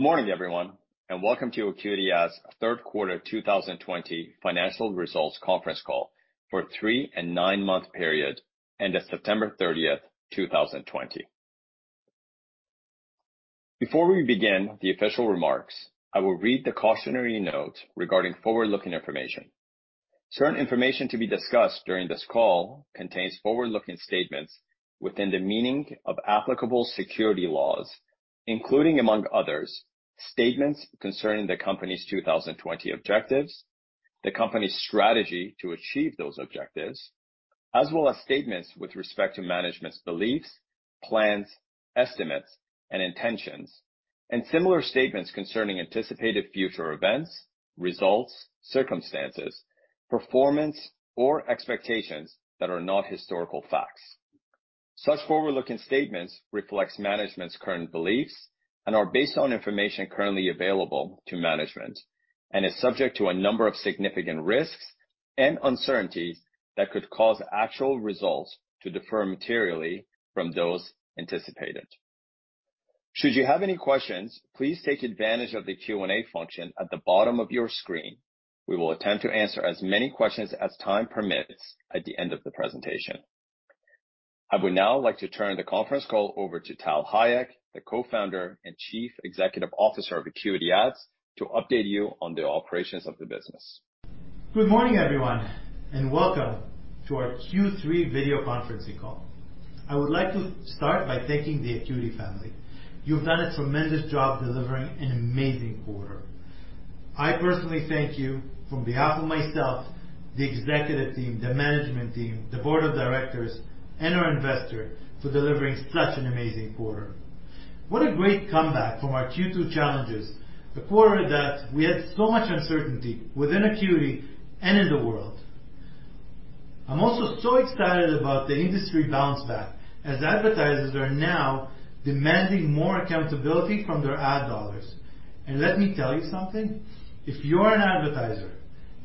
Morning, everyone, and welcome to AcuityAds' third quarter 2020 financial results conference call for three- and nine-month period, ended September 30th, 2020. Before we begin the official remarks, I will read the cautionary note regarding forward-looking information. Certain information to be discussed during this call contains forward-looking statements within the meaning of applicable securities laws, including, among others, statements concerning the company's two thousand and twenty objectives, the company's strategy to achieve those objectives, as well as statements with respect to management's beliefs, plans, estimates, and intentions, and similar statements concerning anticipated future events, results, circumstances, performance, or expectations that are not historical facts. Such forward-looking statements reflects management's current beliefs and are based on information currently available to management, and is subject to a number of significant risks and uncertainties that could cause actual results to differ materially from those anticipated. Should you have any questions, please take advantage of the Q&A function at the bottom of your screen. We will attempt to answer as many questions as time permits at the end of the presentation. I would now like to turn the conference call over to Tal Hayek, the Co-founder and Chief Executive Officer of AcuityAds, to update you on the operations of the business. Good morning, everyone, and welcome to our Q3 video conferencing call. I would like to start by thanking the Acuity family. You've done a tremendous job delivering an amazing quarter. I personally thank you, from behalf of myself, the executive team, the management team, the board of directors, and our investors, for delivering such an amazing quarter. What a great comeback from our Q2 challenges! A quarter that we had so much uncertainty within Acuity and in the world. I'm also so excited about the industry bounce back, as advertisers are now demanding more accountability from their ad dollars. And let me tell you something, if you're an advertiser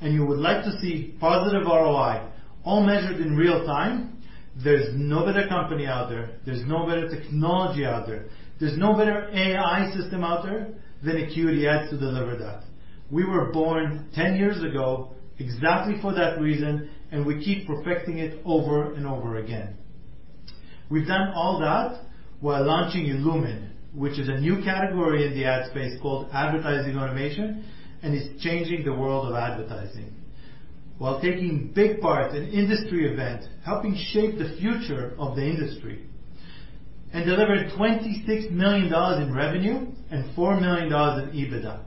and you would like to see positive ROI, all measured in real time, there's no better company out there, there's no better technology out there, there's no better AI system out there than AcuityAds to deliver that. We were born ten years ago exactly for that reason, and we keep perfecting it over and over again. We've done all that while launching Illumin, which is a new category in the ad space called advertising automation, and is changing the world of advertising, while taking big parts in industry events, helping shape the future of the industry, and delivered 26 million dollars in revenue and 4 million dollars in EBITDA.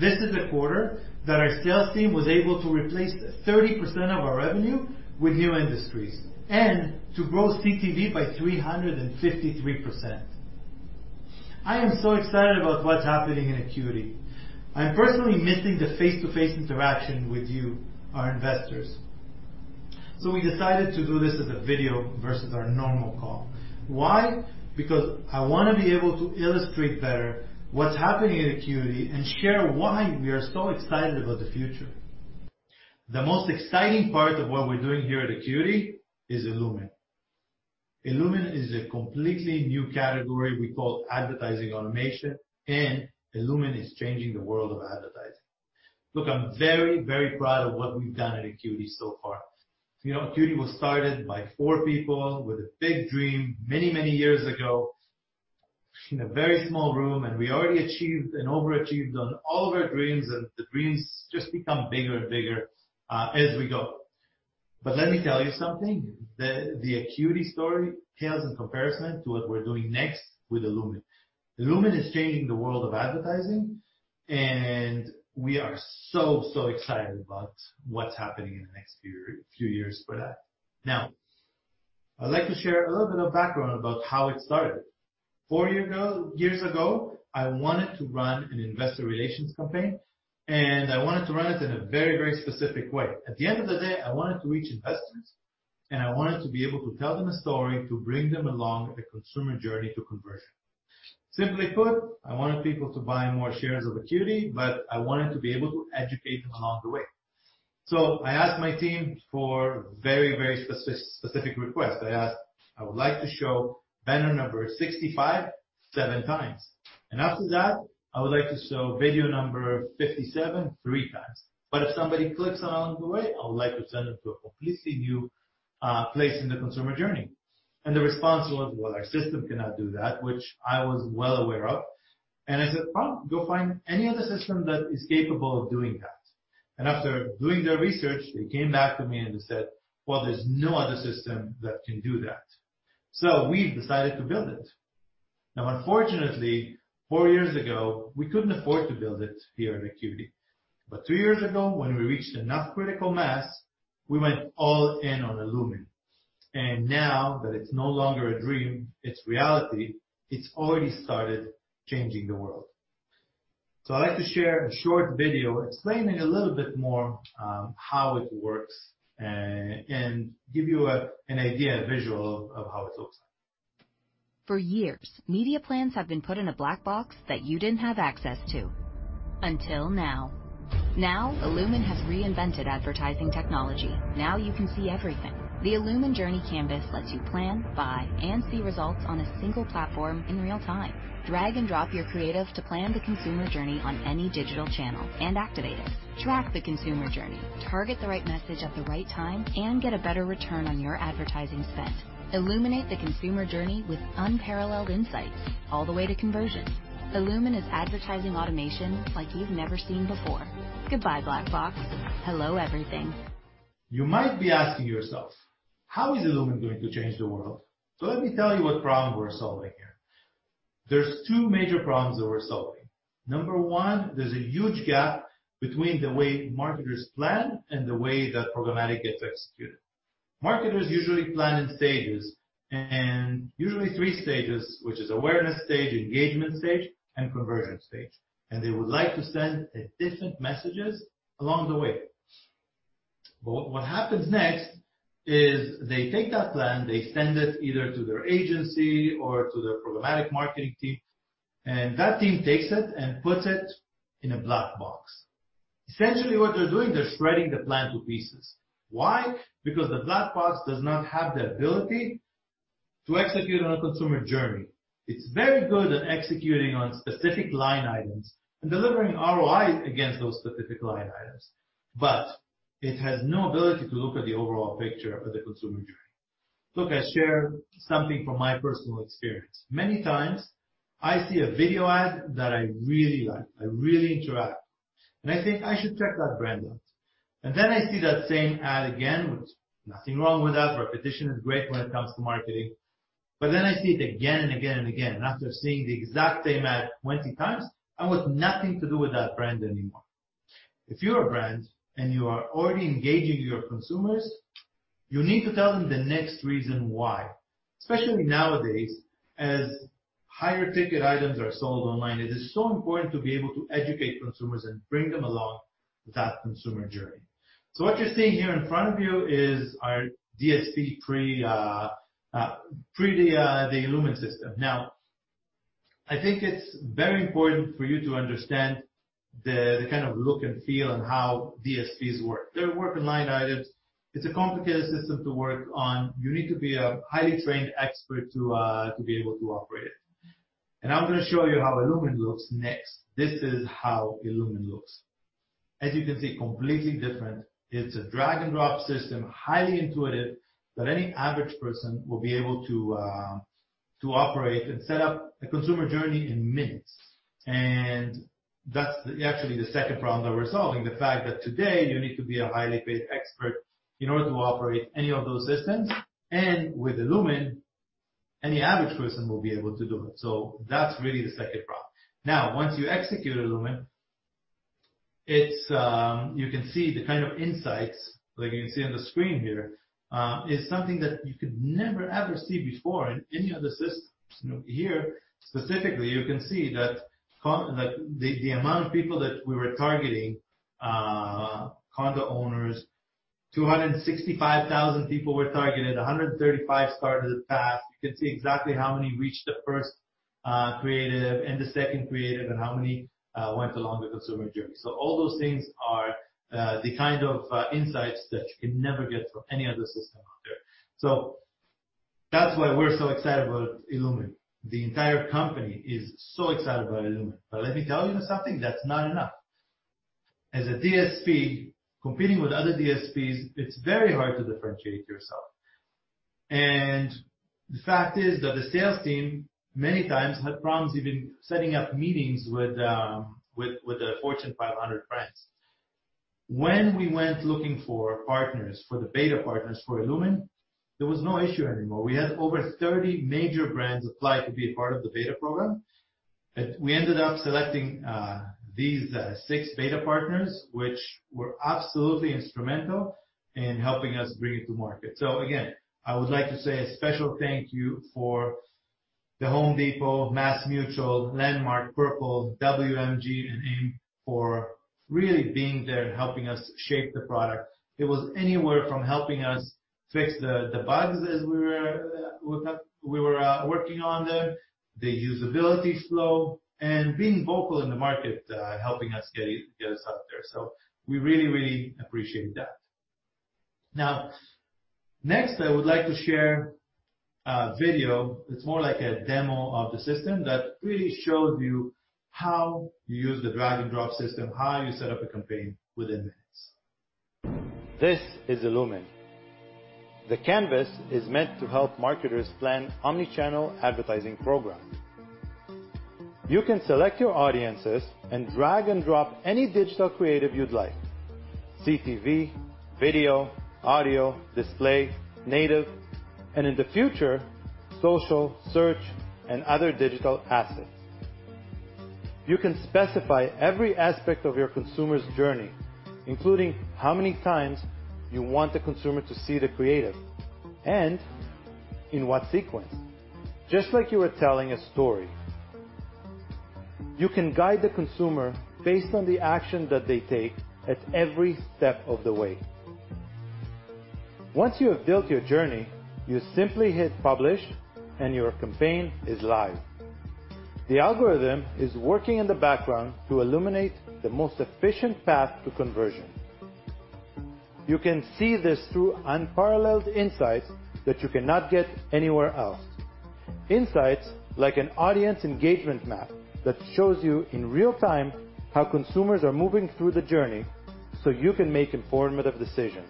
This is a quarter that our sales team was able to replace 30% of our revenue with new industries, and to grow CTV by 353%. I am so excited about what's happening in Acuity. I'm personally missing the face-to-face interaction with you, our investors. So we decided to do this as a video versus our normal call. Why? Because I wanna be able to illustrate better what's happening in Acuity and share why we are so excited about the future. The most exciting part of what we're doing here at Acuity is Illumin. Illumin is a completely new category we call advertising automation, and Illumin is changing the world of advertising. Look, I'm very, very proud of what we've done at Acuity so far. You know, Acuity was started by four people with a big dream many, many years ago in a very small room, and we already achieved and overachieved on all of our dreams, and the dreams just become bigger and bigger, as we go. But let me tell you something: the Acuity story pales in comparison to what we're doing next with Illumin. Illumin is changing the world of advertising, and we are so, so excited about what's happening in the next few years for that. Now, I'd like to share a little bit of background about how it started. Four years ago, I wanted to run an investor relations campaign, and I wanted to run it in a very, very specific way. At the end of the day, I wanted to reach investors, and I wanted to be able to tell them a story to bring them along the consumer journey to conversion. Simply put, I wanted people to buy more shares of Acuity, but I wanted to be able to educate them along the way. So I asked my team for very, very specific requests. I asked, "I would like to show banner number 65 seven times, and after that, I would like to show video number 57 three times. But if somebody clicks along the way, I would like to send them to a completely new place in the consumer journey." And the response was, "Well, our system cannot do that," which I was well aware of. And I said, "Well, go find any other system that is capable of doing that." And after doing their research, they came back to me and they said, "Well, there's no other system that can do that." So we decided to build it. Now, unfortunately, four years ago, we couldn't afford to build it here at Acuity. But two years ago, when we reached enough critical mass, we went all in on Illumin. And now that it's no longer a dream, it's reality. It's already started changing the world. So I'd like to share a short video explaining a little bit more, how it works, and give you an idea, a visual of how it looks like. For years, media plans have been put in a black box that you didn't have access to.... Until now. Now, Illumin has reinvented advertising technology. Now you can see everything. The Illumin Journey Canvas lets you plan, buy, and see results on a single platform in real time. Drag and drop your creative to plan the consumer journey on any digital channel and activate it. Track the consumer journey, target the right message at the right time, and get a better return on your advertising spend. Illuminate the consumer journey with unparalleled insights all the way to conversion. Illumin is advertising automation like you've never seen before. Goodbye, black box. Hello, everything. You might be asking yourself: How is Illumin going to change the world? So let me tell you what problem we're solving here. There's two major problems that we're solving. Number one, there's a huge gap between the way marketers plan and the way that programmatic gets executed. Marketers usually plan in stages, and usually three stages, which is awareness stage, engagement stage, and conversion stage. And they would like to send different messages along the way. But what, what happens next is they take that plan, they send it either to their agency or to their programmatic marketing team, and that team takes it and puts it in a black box. Essentially, what they're doing, they're shredding the plan to pieces. Why? Because the black box does not have the ability to execute on a consumer journey. It's very good at executing on specific line items and delivering ROIs against those specific line items, but it has no ability to look at the overall picture of the consumer journey. Look, I share something from my personal experience. Many times, I see a video ad that I really like. I really interact, and I think I should check that brand out. And then I see that same ad again, which nothing wrong with that, repetition is great when it comes to marketing, but then I see it again and again and again, and after seeing the exact same ad 20 times, I want nothing to do with that brand anymore. If you are a brand and you are already engaging your consumers, you need to tell them the next reason why. Especially nowadays, as higher-ticket items are sold online, it is so important to be able to educate consumers and bring them along that consumer journey, so what you're seeing here in front of you is our DSP pre the Illumin system. Now, I think it's very important for you to understand the kind of look and feel and how DSPs work. They work in line items. It's a complicated system to work on. You need to be a highly trained expert to be able to operate it, and I'm gonna show you how Illumin looks next. This is how Illumin looks. As you can see, completely different. It's a drag-and-drop system, highly intuitive, that any average person will be able to operate and set up a consumer journey in minutes. That's actually the second problem that we're solving, the fact that today you need to be a highly paid expert in order to operate any of those systems. With Illumin, any average person will be able to do it. That's really the second problem. Now, once you execute Illumin, it's. You can see the kind of insights, like you can see on the screen here, is something that you could never, ever see before in any other systems. Here, specifically, you can see that the amount of people that we were targeting, condo owners, 265,000 people were targeted, a 135 started the path. You can see exactly how many reached the first creative and the second creative, and how many went along the consumer journey. So all those things are the kind of insights that you can never get from any other system out there. So that's why we're so excited about Illumin. The entire company is so excited about Illumin, but let me tell you something, that's not enough. As a DSP, competing with other DSPs, it's very hard to differentiate yourself. And the fact is that the sales team many times had problems even setting up meetings with the Fortune 500 brands. When we went looking for partners, for the beta partners for Illumin, there was no issue anymore. We had over 30 major brands apply to be a part of the beta program. We ended up selecting these six beta partners, which were absolutely instrumental in helping us bring it to market. So again, I would like to say a special thank you for The Home Depot, MassMutual, Lamark, Purple, WMG, and AM for really being there and helping us shape the product. It was anywhere from helping us fix the bugs as we were working on them, the usability flow, and being vocal in the market, helping us get it out there. So we really, really appreciate that. Now, next, I would like to share a video. It's more like a demo of the system that really shows you how you use the drag-and-drop system, how you set up a campaign within minutes. This is Illumin. The canvas is meant to help marketers plan omni-channel advertising programs. You can select your audiences and drag and drop any digital creative you'd like: CTV, video, audio, display, native, and in the future, social, search, and other digital assets. You can specify every aspect of your consumer's journey, including how many times you want the consumer to see the creative and in what sequence. Just like you were telling a story, you can guide the consumer based on the action that they take at every step of the way. Once you have built your journey, you simply hit Publish, and your campaign is live. The algorithm is working in the background to illuminate the most efficient path to conversion. You can see this through unparalleled insights that you cannot get anywhere else. Insights like an audience engagement map that shows you in real time how consumers are moving through the journey, so you can make informative decisions.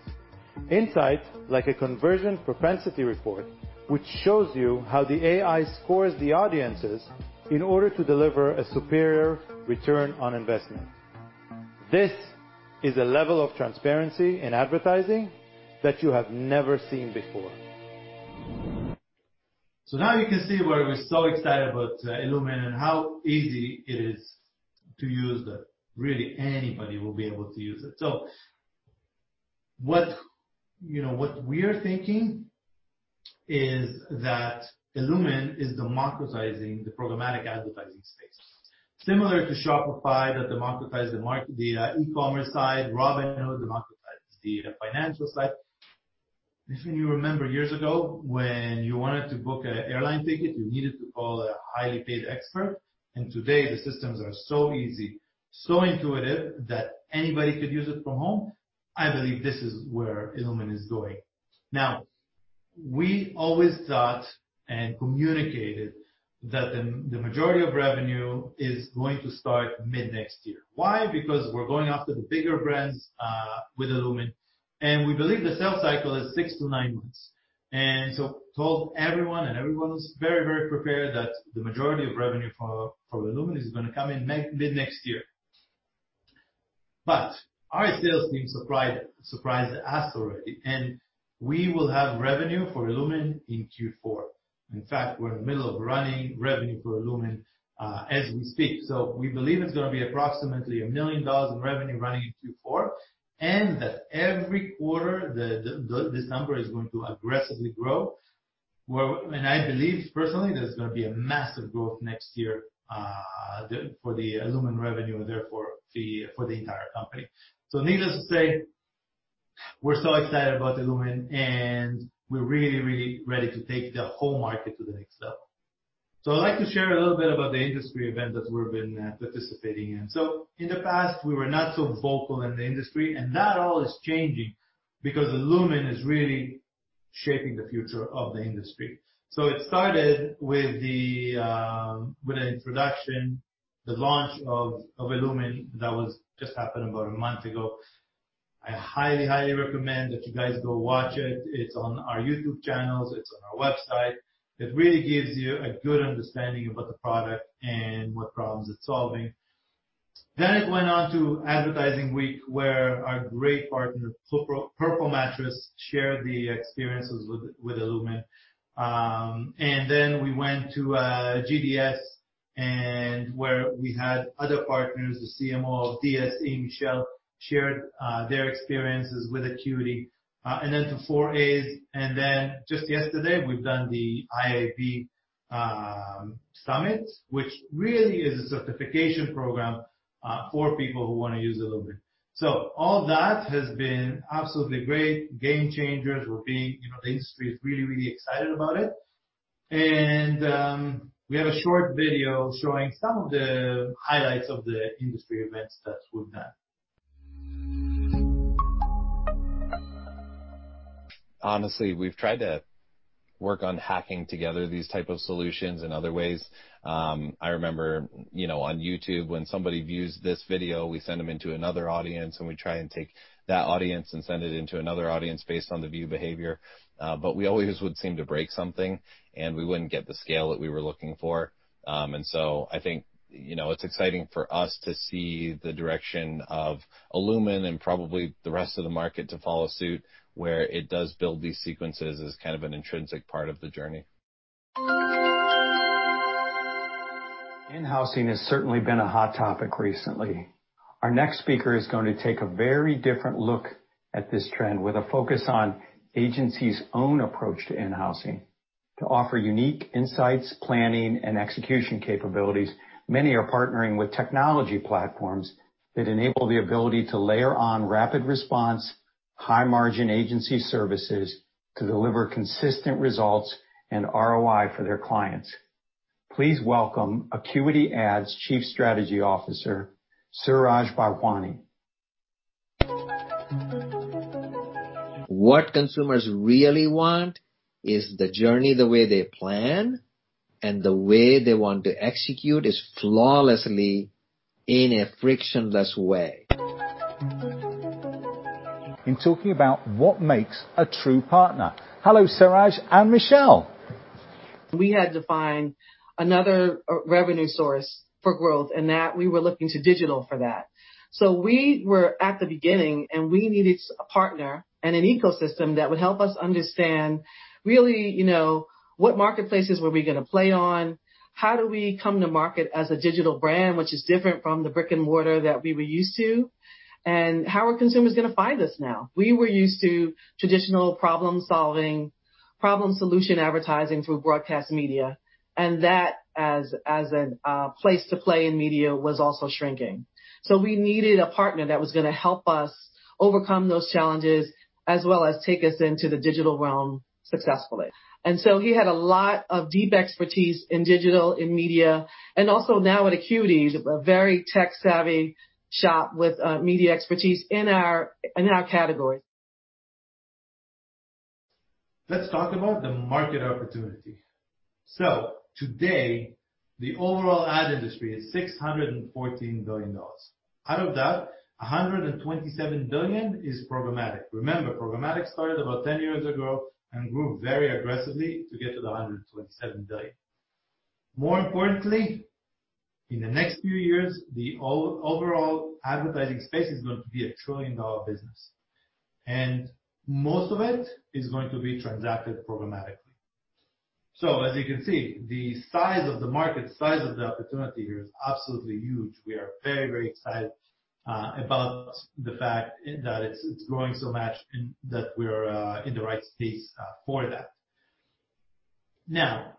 Insights like a conversion propensity report, which shows you how the AI scores the audiences in order to deliver a superior return on investment. This is a level of transparency in advertising that you have never seen before. So now you can see why we're so excited about Illumin and how easy it is to use that. Really, anybody will be able to use it. So what, you know, what we're thinking is that Illumin is democratizing the programmatic advertising space. Similar to Shopify that democratized the e-commerce side, Robinhood democratized the financial side. If you remember years ago, when you wanted to book a airline ticket, you needed to call a highly paid expert, and today, the systems are so easy, so intuitive, that anybody could use it from home. I believe this is where Illumin is going. Now, we always thought and communicated that the majority of revenue is going to start mid-next year. Why? Because we're going after the bigger brands with Illumin, and we believe the sales cycle is six to nine months. And so told everyone, and everyone's very, very prepared that the majority of revenue for Illumin is gonna come in mid-next year. But our sales team surprised us already, and we will have revenue for Illumin in Q4. In fact, we're in the middle of running revenue for Illumin as we speak. So we believe it's gonna be approximately 1 million dollars in revenue running in Q4, and that every quarter this number is going to aggressively grow. And I believe, personally, there's gonna be a massive growth next year for the Illumin revenue and therefore for the entire company. So needless to say, we're so excited about Illumin, and we're really, really ready to take the whole market to the next level. So I'd like to share a little bit about the industry events that we've been participating in. So in the past, we were not so vocal in the industry, and that all is changing because Illumin is really shaping the future of the industry. So it started with an introduction, the launch of Illumin. That was just happened about a month ago. I highly, highly recommend that you guys go watch it. It's on our YouTube channels. It's on our website. It really gives you a good understanding about the product and what problems it's solving. Then it went on to Advertising Week, where our great partner, Purple Mattress, shared the experiences with Illumin. And then we went to GDS, and where we had other partners, the CMO of DSE, Michele, shared their experiences with Acuity. And then to 4A's, and then just yesterday, we've done the IAB summit, which really is a certification program for people who wanna use Illumin. So all that has been absolutely great. Game changers, we're being you know, the industry is really, really excited about it. And we have a short video showing some of the highlights of the industry events that we've done. Honestly, we've tried to work on hacking together these type of solutions in other ways. I remember, you know, on YouTube, when somebody views this video, we send them into another audience, and we try and take that audience and send it into another audience based on the view behavior. But we always would seem to break something, and we wouldn't get the scale that we were looking for. And so I think, you know, it's exciting for us to see the direction of Illumin and probably the rest of the market to follow suit, where it does build these sequences as kind of an intrinsic part of the journey. In-housing has certainly been a hot topic recently. Our next speaker is going to take a very different look at this trend, with a focus on agency's own approach to in-housing. To offer unique insights, planning and execution capabilities, many are partnering with technology platforms that enable the ability to layer on rapid response, high-margin agency services to deliver consistent results and ROI for their clients. Please welcome AcuityAds Chief Strategy Officer, Seraj Bharwani. What consumers really want is the journey the way they plan, and the way they want to execute is flawlessly in a frictionless way. In talking about what makes a true partner. Hello, Seraj and Michele! We had to find another revenue source for growth, and that we were looking to digital for that. So we were at the beginning, and we needed a partner and an ecosystem that would help us understand really, you know, what marketplaces were we gonna play on? How do we come to market as a digital brand, which is different from the brick-and-mortar that we were used to? And how are consumers gonna find us now? We were used to traditional problem solution advertising through broadcast media, and that, as an, place to play in media was also shrinking. So we needed a partner that was going to help us overcome those challenges, as well as take us into the digital realm successfully. And so he had a lot of deep expertise in digital, in media, and also now at Acuity, a very tech-savvy shop with media expertise in our categories. Let's talk about the market opportunity. So today, the overall ad industry is $614 billion. Out of that, $127 billion is programmatic. Remember, programmatic started about 10 years ago and grew very aggressively to get to the $127 billion. More importantly, in the next few years, the overall advertising space is going to be a $1 trillion business, and most of it is going to be transacted programmatically. So as you can see, the size of the market, size of the opportunity here is absolutely huge. We are very, very excited about the fact that it's, it's growing so much and that we're in the right space for that. Now,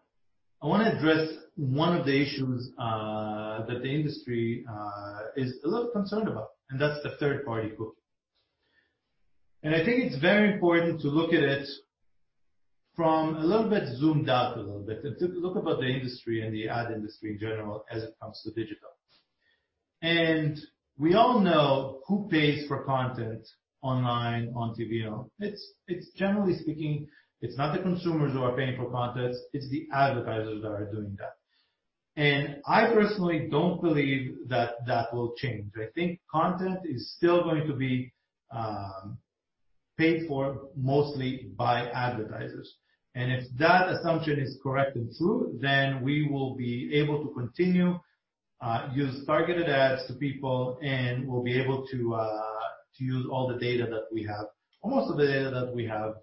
I want to address one of the issues that the industry is a little concerned about, and that's the third-party cookie. I think it's very important to look at it from a little bit zoomed out a little bit, and to look about the industry and the ad industry in general as it comes to digital. We all know who pays for content online, on TV. It's generally speaking not the consumers who are paying for content. It's the advertisers that are doing that. I personally don't believe that that will change. I think content is still going to be paid for mostly by advertisers. If that assumption is correct and true, then we will be able to continue use targeted ads to people, and we'll be able to use all the data that we have, or most of the data that we have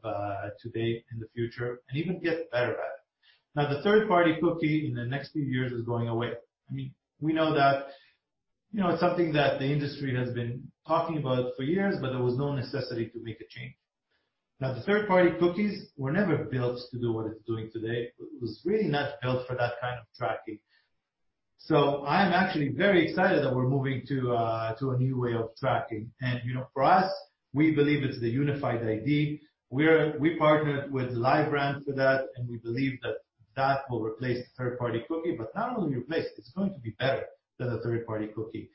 today, in the future, and even get better at it. Now, the third-party cookie in the next few years is going away. I mean, we know that, you know, it's something that the industry has been talking about for years, but there was no necessity to make a change. Now, the third-party cookies were never built to do what it's doing today. It was really not built for that kind of tracking. So I am actually very excited that we're moving to a new way of tracking, and, you know, for us, we believe it's the unified ID. We partnered with LiveRamp for that, and we believe that that will replace the third-party cookie, but not only replace, it's going to be better than the third-party cookie,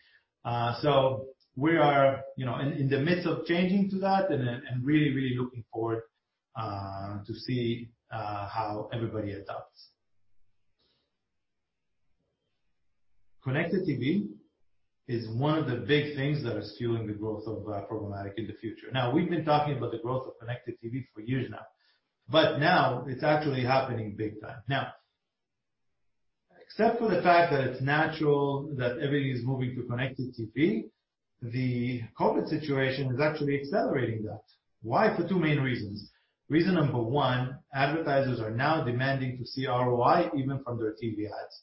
so we are, you know, in the midst of changing to that and really looking forward to see how everybody adapts. Connected TV is one of the big things that are fueling the growth of programmatic in the future. Now, we've been talking about the growth of Connected TV for years now, but now it's actually happening big time. Now, except for the fact that it's natural that everything is moving to Connected TV, the COVID situation is actually accelerating that. Why? For two main reasons. Reason number one, advertisers are now demanding to see ROI, even from their TV ads,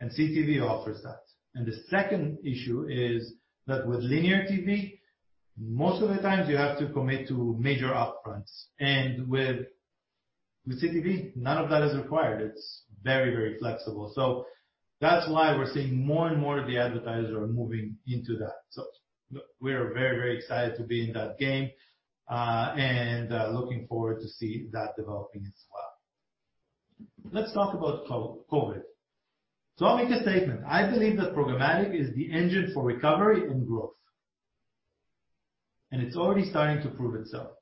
and CTV offers that, and the second issue is that with linear TV, most of the times you have to commit to major upfronts, and with CTV, none of that is required. It's very, very flexible, so that's why we're seeing more and more of the advertisers are moving into that. So we are very, very excited to be in that game, and looking forward to see that developing as well. Let's talk about COVID. So I'll make a statement. I believe that programmatic is the engine for recovery and growth, and it's already starting to prove itself.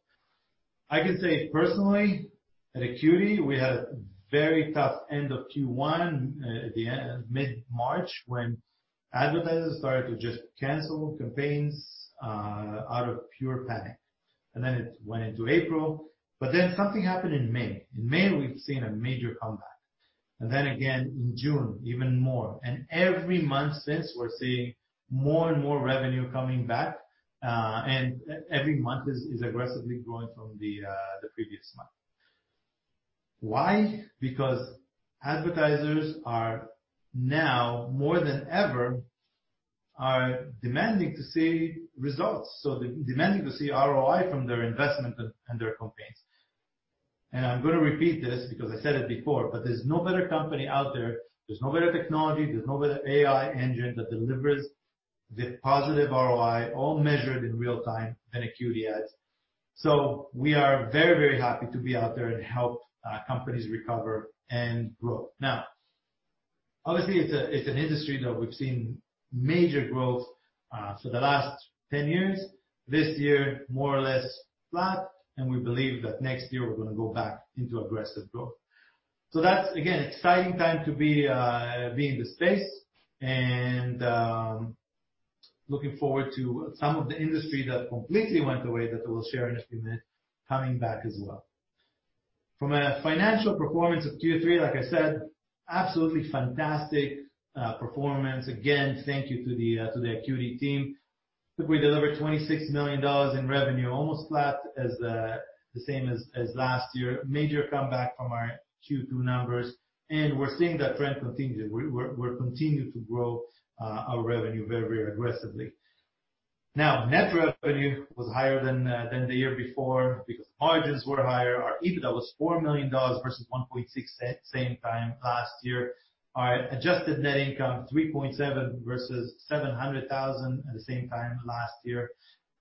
I can say personally, at Acuity, we had a very tough end of Q1, mid-March, when advertisers started to just cancel campaigns, out of pure panic, and then it went into April, but then something happened in May. In May, we've seen a major comeback, and then again in June, even more. And every month since, we're seeing more and more revenue coming back, and every month is aggressively growing from the previous month. Why? Because advertisers are now, more than ever, demanding to see results, so they're demanding to see ROI from their investment and their campaigns. I'm going to repeat this because I said it before, but there's no better company out there, there's no better technology, there's no better AI engine that delivers the positive ROI, all measured in real time, than AcuityAds. So we are very, very happy to be out there and help companies recover and grow. Now, obviously, it's an industry that we've seen major growth for the last 10 years. This year, more or less flat, and we believe that next year we're going to go back into aggressive growth. So that's, again, exciting time to be in the space and, looking forward to some of the industry that completely went away, that I will share in just a minute, coming back as well. From a financial performance of Q3, like I said, absolutely fantastic, performance. Again, thank you to the, to the Acuity team. Look, we delivered 26 million dollars in revenue, almost flat as, the same as, as last year. Major comeback from our Q2 numbers, and we're seeing that trend continue. We're continuing to grow, our revenue very, very aggressively... Now, net revenue was higher than, than the year before because margins were higher. Our EBITDA was 4 million dollars versus 1.6 at same time last year. Our adjusted net income, 3.7 versus 700,000 at the same time last year.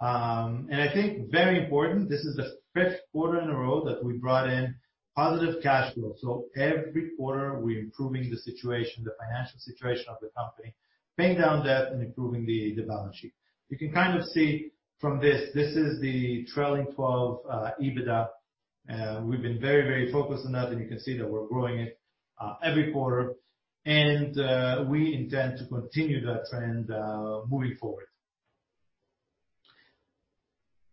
And I think very important, this is the fifth quarter in a row that we brought in positive cash flow. So every quarter, we're improving the situation, the financial situation of the company, paying down debt and improving the balance sheet. You can kind of see from this, this is the trailing 12 EBITDA, and we've been very, very focused on that, and you can see that we're growing it every quarter. And we intend to continue that trend moving forward.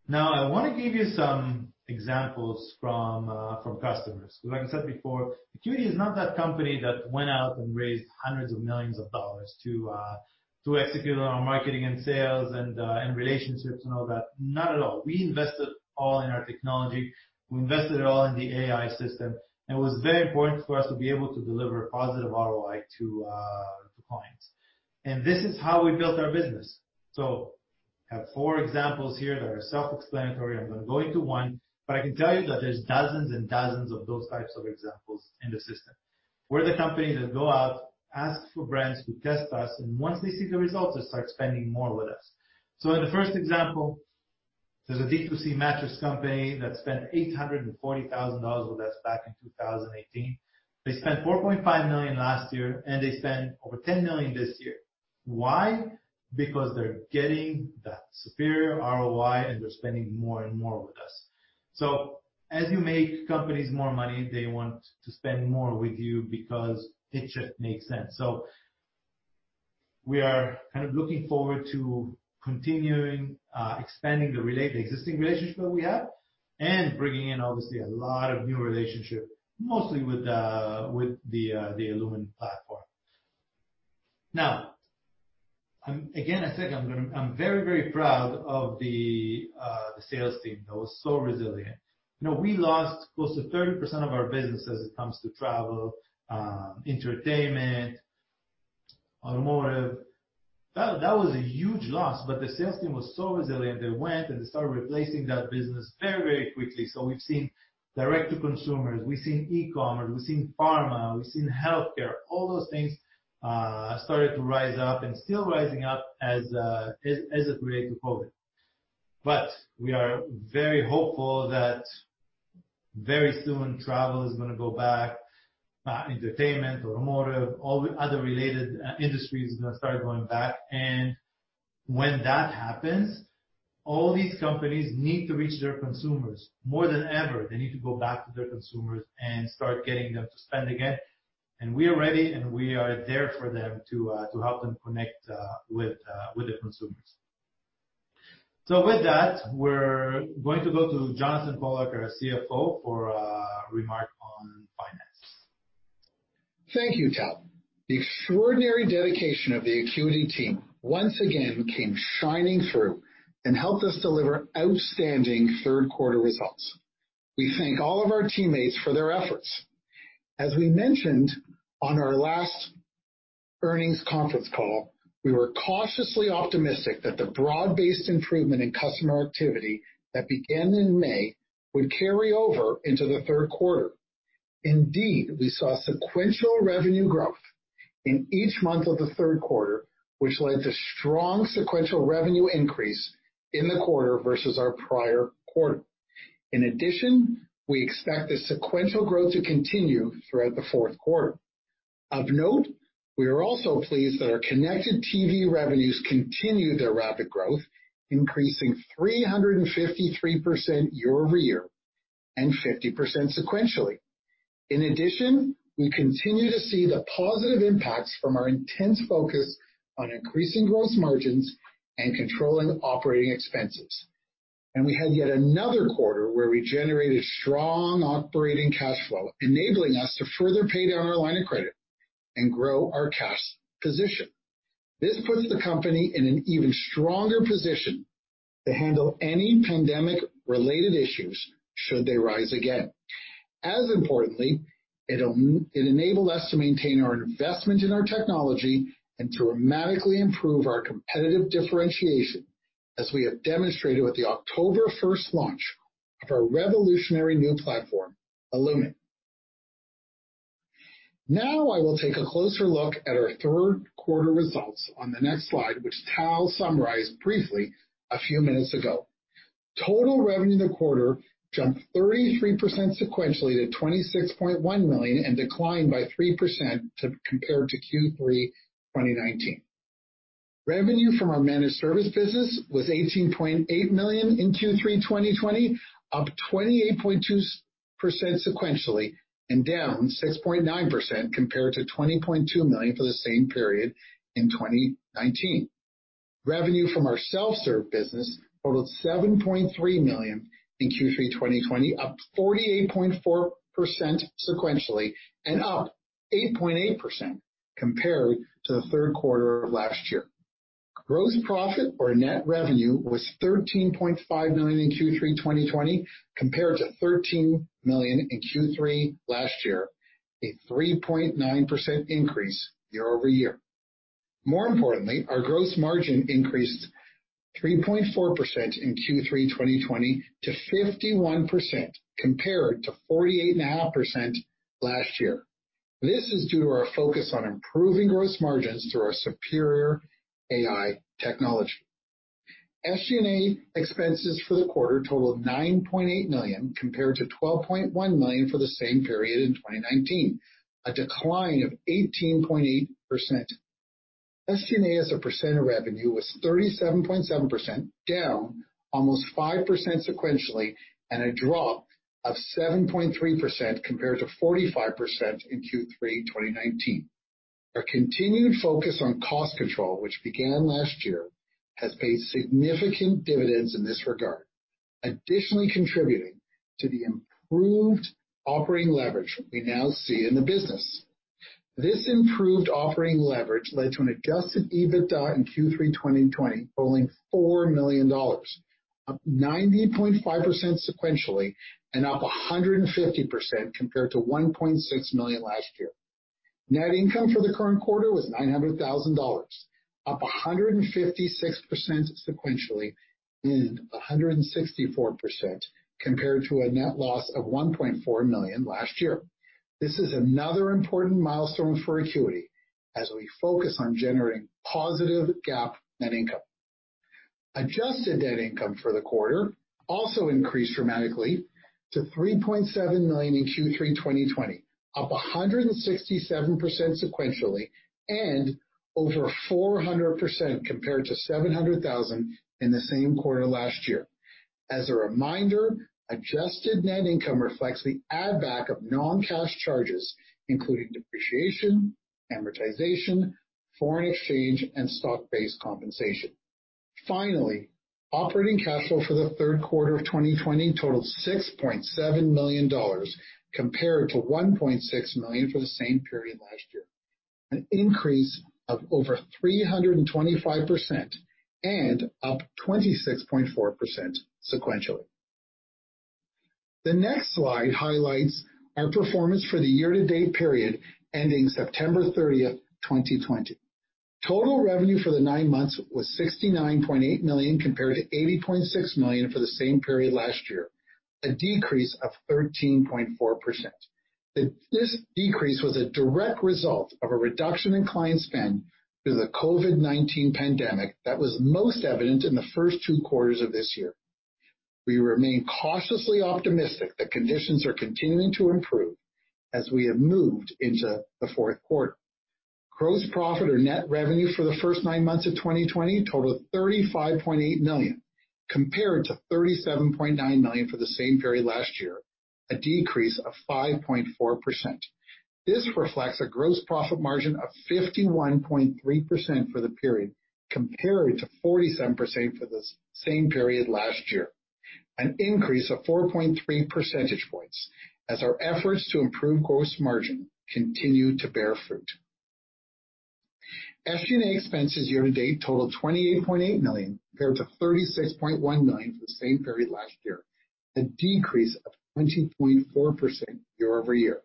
Now, I want to give you some examples from from customers, because like I said before, Acuity is not that company that went out and raised hundreds of millions of dollars to to execute on our marketing and sales and and relationships and all that. Not at all. We invested all in our technology. We invested it all in the AI system, and it was very important for us to be able to deliver a positive ROI to to clients. And this is how we built our business. So I have four examples here that are self-explanatory. I'm gonna go into one, but I can tell you that there's dozens and dozens of those types of examples in the system. We're the company that go out, ask for brands to test us, and once they see the results, they start spending more with us. So in the first example, there's a D2C mattress company that spent 840,000 dollars with us back in 2018. They spent 4.5 million last year, and they spent over 10 million this year. Why? Because they're getting that superior ROI, and they're spending more and more with us. So as you make companies more money, they want to spend more with you because it just makes sense. So we are kind of looking forward to continuing, expanding the existing relationship we have and bringing in, obviously, a lot of new relationship, mostly with the Illumin platform. Now, again, I think I'm very, very proud of the sales team. They were so resilient. You know, we lost close to 30% of our business as it comes to travel, entertainment, automotive. That was a huge loss, but the sales team was so resilient. They went and started replacing that business very, very quickly. So we've seen direct to consumers, we've seen e-commerce, we've seen pharma, we've seen healthcare. All those things started to rise up and still rising up as it relates to COVID. But we are very hopeful that very soon, travel is gonna go back, entertainment, automotive, all the other related industries are gonna start going back. And when that happens, all these companies need to reach their consumers. More than ever, they need to go back to their consumers and start getting them to spend again. And we are ready, and we are there for them to help them connect with the consumers. So with that, we're going to go to Jonathan Pollock, our CFO, for a remark on finance. Thank you, Tal. The extraordinary dedication of the Acuity team once again came shining through and helped us deliver outstanding third quarter results. We thank all of our teammates for their efforts. As we mentioned on our last earnings conference call, we were cautiously optimistic that the broad-based improvement in customer activity that began in May would carry over into the third quarter. Indeed, we saw sequential revenue growth in each month of the third quarter, which led to strong sequential revenue increase in the quarter versus our prior quarter. In addition, we expect the sequential growth to continue throughout the fourth quarter. Of note, we are also pleased that our connected TV revenues continued their rapid growth, increasing 353% year-over-year and 50% sequentially. In addition, we continue to see the positive impacts from our intense focus on increasing gross margins and controlling operating expenses. We had yet another quarter where we generated strong operating cash flow, enabling us to further pay down our line of credit and grow our cash position. This puts the company in an even stronger position to handle any pandemic-related issues, should they rise again. As importantly, it enabled us to maintain our investment in our technology and dramatically improve our competitive differentiation, as we have demonstrated with the October first launch of our revolutionary new platform, Illumin. Now, I will take a closer look at our third quarter results on the next slide, which Tal summarized briefly a few minutes ago. Total revenue in the quarter jumped 33% sequentially to 26.1 million, and declined by 3% compared to Q3 2019. Revenue from our managed service business was 18.8 million in Q3 2020, up 28.2 sequentially, and down 6.9% compared to 20.2 million for the same period in 2019. Revenue from our self-serve business totaled 7.3 million in Q3 2020, up 48.4% sequentially and up 8.8% compared to the third quarter of last year. Gross profit or net revenue was 13.5 million in Q3 2020, compared to 13 million in Q3 last year, a 3.9% increase year-over-year. More importantly, our gross margin increased 3.4% in Q3 2020 to 51%, compared to 48.5% last year. This is due to our focus on improving gross margins through our superior AI technology. SG&A expenses for the quarter totaled 9.8 million, compared to 12.1 million for the same period in 2019, a decline of 18.8%. SG&A as a percent of revenue was 37.7%, down almost 5% sequentially, and a drop of 7.3% compared to 45% in Q3 2019. Our continued focus on cost control, which began last year, has paid significant dividends in this regard, additionally contributing to the improved operating leverage we now see in the business. This improved operating leverage led to an adjusted EBITDA in Q3 2020, totaling CAD 4 million, up 90.5% sequentially, and up 150% compared to 1.6 million last year. Net income for the current quarter was 900,000 dollars, up 156% sequentially and 164% compared to a net loss of 1.4 million last year. This is another important milestone for Acuity as we focus on generating positive GAAP net income. Adjusted net income for the quarter also increased dramatically to 3.7 million in Q3 2020, up 167% sequentially and over 400% compared to 700,000 in the same quarter last year. As a reminder, adjusted net income reflects the add-back of non-cash charges, including depreciation, amortization, foreign exchange, and stock-based compensation. Finally, operating cash flow for the third quarter of 2020 totaled 6.7 million dollars, compared to 1.6 million for the same period last year, an increase of over 325% and up 26.4% sequentially. The next slide highlights our performance for the year-to-date period ending September 30th, 2020. Total revenue for the nine months was 69.8 million, compared to 80.6 million for the same period last year, a decrease of 13.4%. This decrease was a direct result of a reduction in client spend due to the COVID-19 pandemic that was most evident in the first two quarters of this year. We remain cautiously optimistic that conditions are continuing to improve as we have moved into the fourth quarter. Gross profit or net revenue for the first nine months of 2020 totaled 35.8 million, compared to 37.9 million for the same period last year, a decrease of 5.4%. This reflects a gross profit margin of 51.3% for the period, compared to 47% for the same period last year, an increase of 4.3 percentage points, as our efforts to improve gross margin continue to bear fruit. SG&A expenses year to date totaled 28.8 million, compared to 36.1 million for the same period last year, a decrease of 20.4% year-over-year.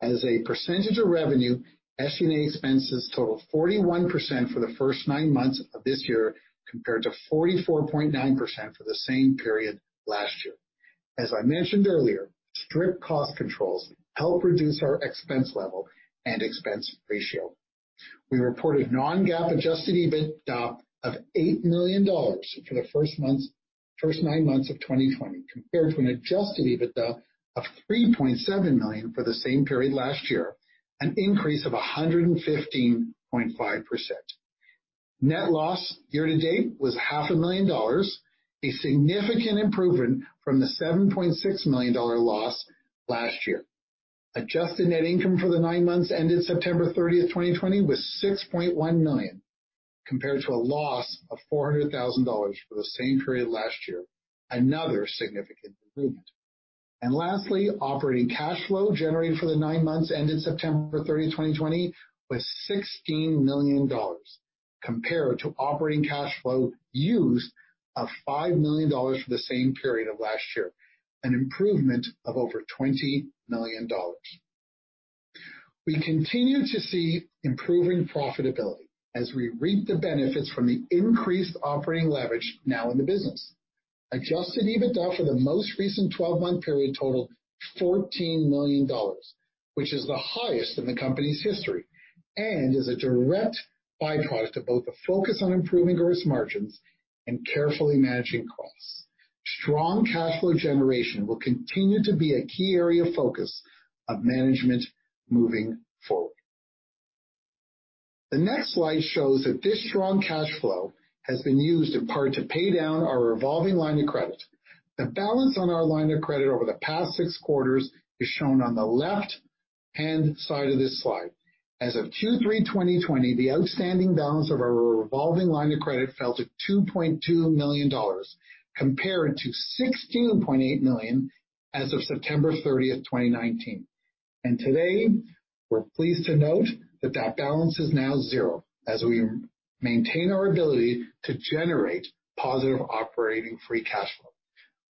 As a percentage of revenue, SG&A expenses totaled 41% for the first nine months of this year, compared to 44.9% for the same period last year. As I mentioned earlier, strict cost controls help reduce our expense level and expense ratio. We reported non-GAAP adjusted EBITDA of 8 million dollars for the first nine months of 2020, compared to an adjusted EBITDA of 3.7 million for the same period last year, an increase of 115.5%. Net loss year to date was 500,000 dollars, a significant improvement from the 7.6 million dollar loss last year. Adjusted net income for the nine months ended September 30th, 2020, was 6.1 million, compared to a loss of 400,000 dollars for the same period last year, another significant improvement. Lastly, operating cash flow generated for the nine months ended September thirtieth, 2020, was 16 million dollars, compared to operating cash flow use of 5 million dollars for the same period of last year, an improvement of over 20 million dollars. We continue to see improving profitability as we reap the benefits from the increased operating leverage now in the business. Adjusted EBITDA for the most recent 12-month period totaled 14 million dollars, which is the highest in the company's history and is a direct by-product of both the focus on improving gross margins and carefully managing costs. Strong cash flow generation will continue to be a key area of focus of management moving forward. The next slide shows that this strong cash flow has been used in part to pay down our revolving line of credit. The balance on our line of credit over the past six quarters is shown on the left-hand side of this slide. As of Q3 2020, the outstanding balance of our revolving line of credit fell to 2.2 million dollars, compared to 16.8 million as of September 30, 2019. And today, we're pleased to note that that balance is now zero as we maintain our ability to generate positive operating free cash flow.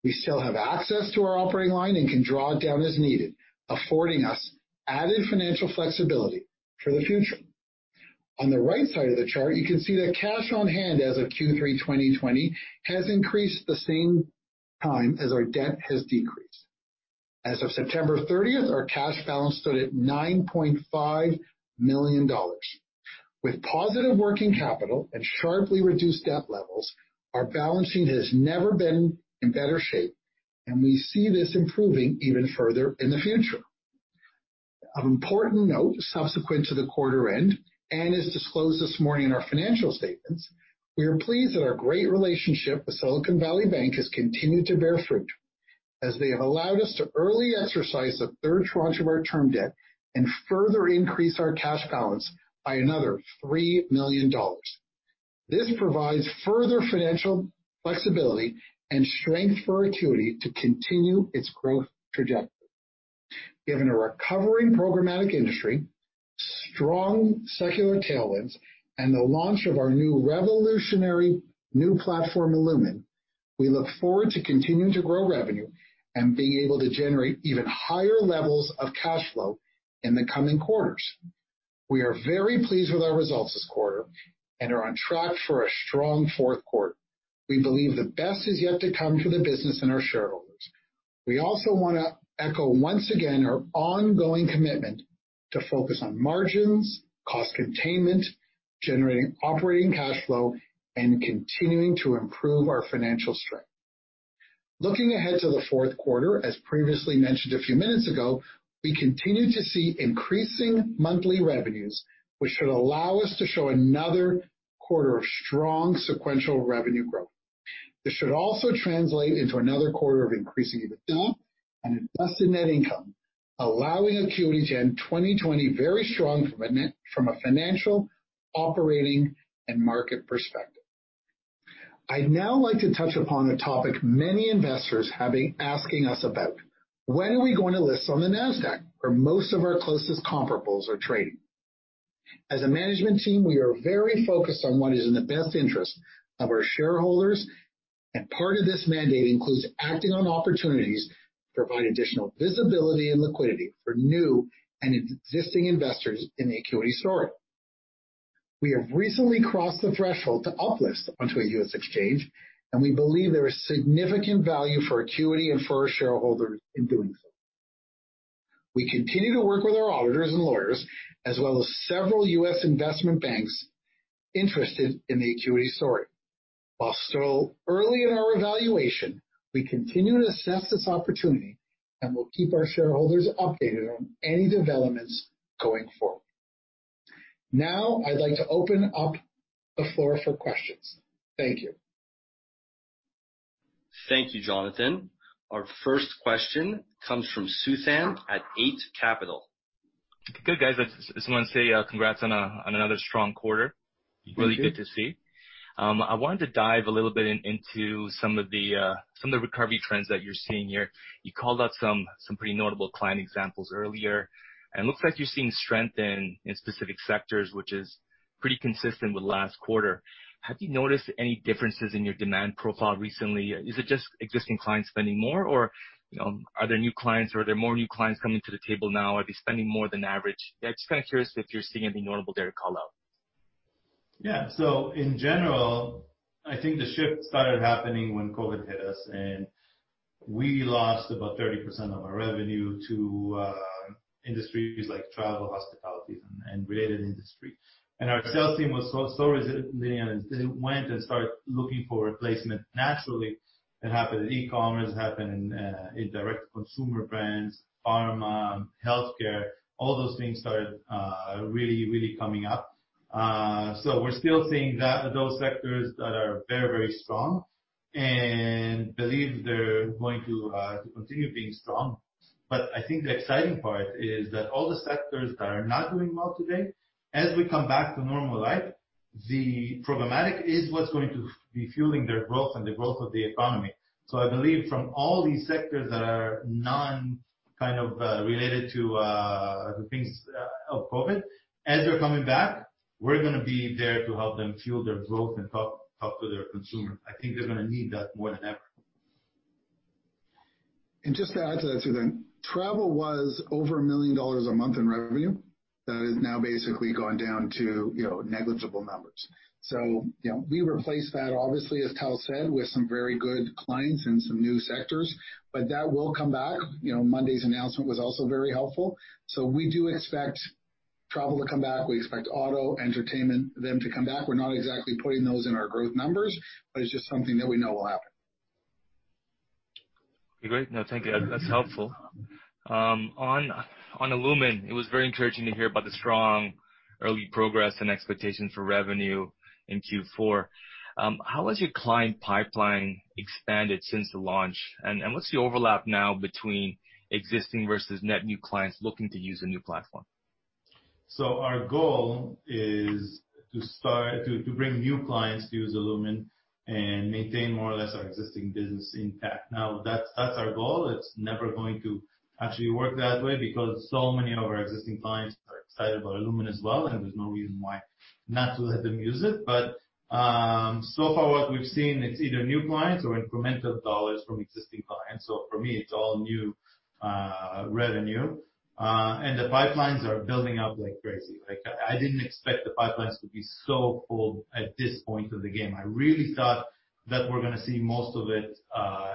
We still have access to our operating line and can draw it down as needed, affording us added financial flexibility for the future. On the right side of the chart, you can see that cash on hand as of Q3 2020 has increased at the same time as our debt has decreased. As of September 30, our cash balance stood at 9.5 million dollars. With positive working capital and sharply reduced debt levels, our balance sheet has never been in better shape, and we see this improving even further in the future. An important note, subsequent to the quarter end and is disclosed this morning in our financial statements, we are pleased that our great relationship with Silicon Valley Bank has continued to bear fruit, as they have allowed us to early exercise a third tranche of our term debt and further increase our cash balance by another 3 million dollars. This provides further financial flexibility and strength for Acuity to continue its growth trajectory. Given a recovering programmatic industry, strong secular tailwinds, and the launch of our new revolutionary new platform, Illumin, we look forward to continuing to grow revenue and being able to generate even higher levels of cash flow in the coming quarters. We are very pleased with our results this quarter and are on track for a strong fourth quarter. We believe the best is yet to come for the business and our shareholders. We also wanna echo once again our ongoing commitment to focus on margins, cost containment, generating operating cash flow, and continuing to improve our financial strength. Looking ahead to the fourth quarter, as previously mentioned a few minutes ago, we continue to see increasing monthly revenues, which should allow us to show another quarter of strong sequential revenue growth. This should also translate into another quarter of increasing EBITDA and adjusted net income, allowing Acuity to end 2020 very strong from a financial, operating, and market perspective. I'd now like to touch upon a topic many investors have been asking us about: When are we going to list on the Nasdaq, where most of our closest comparables are trading? As a management team, we are very focused on what is in the best interest of our shareholders, and part of this mandate includes acting on opportunities to provide additional visibility and liquidity for new and existing investors in the Acuity story. We have recently crossed the threshold to uplist onto a U.S. exchange, and we believe there is significant value for Acuity and for our shareholders in doing so. We continue to work with our auditors and lawyers, as well as several U.S. investment banks interested in the Acuity story. While still early in our evaluation, we continue to assess this opportunity, and we'll keep our shareholders updated on any developments going forward. Now, I'd like to open up the floor for questions. Thank you. Thank you, Jonathan. Our first question comes from Suthan at Eight Capital. Good, guys. I just wanna say, congrats on a, on another strong quarter. Thank you. Really good to see. I wanted to dive a little bit into some of the recovery trends that you're seeing here. You called out some pretty notable client examples earlier, and it looks like you're seeing strength in specific sectors, which is pretty consistent with last quarter. Have you noticed any differences in your demand profile recently? Is it just existing clients spending more, or are there new clients, or are there more new clients coming to the table now? Are they spending more than average? Yeah, just kind of curious if you're seeing anything notable there to call out. Yeah. So in general, I think the shift started happening when COVID hit us, and we lost about 30% of our revenue to industries like travel, hospitality, and related industry. Our sales team was so, so resilient, and they went and started looking for replacement. Naturally, it happened in e-commerce, it happened in direct-to-consumer brands, pharma, healthcare, all those things started really, really coming up. So we're still seeing that, those sectors that are very, very strong and believe they're going to continue being strong. But I think the exciting part is that all the sectors that are not doing well today, as we come back to normal life, the programmatic is what's going to be fueling their growth and the growth of the economy. I believe from all these sectors that are non-kind of related to the things of COVID, as they're coming back, we're gonna be there to help them fuel their growth and talk to their consumer. I think they're gonna need that more than ever. And just to add to that, Suthan, travel was over 1 million dollars a month in revenue. That has now basically gone down to, you know, negligible numbers. So, you know, we replaced that, obviously, as Tal said, with some very good clients and some new sectors, but that will come back. You know, Monday's announcement was also very helpful. So we do expect travel to come back. We expect auto, entertainment, them to come back. We're not exactly putting those in our growth numbers, but it's just something that we know will happen. Great. No, thank you. That's helpful. On Illumin, it was very encouraging to hear about the strong early progress and expectations for revenue in Q4. How has your client pipeline expanded since the launch? And what's the overlap now between existing versus net new clients looking to use the new platform? So our goal is to start to bring new clients to use Illumin and maintain more or less our existing business intact. Now, that's our goal. It's never going to actually work that way, because so many of our existing clients are excited about Illumin as well, and there's no reason why not to let them use it. So far what we've seen, it's either new clients or incremental dollars from existing clients. So for me, it's all new revenue. And the pipelines are building up like crazy. Like, I didn't expect the pipelines to be so full at this point of the game. I really thought that we're gonna see most of it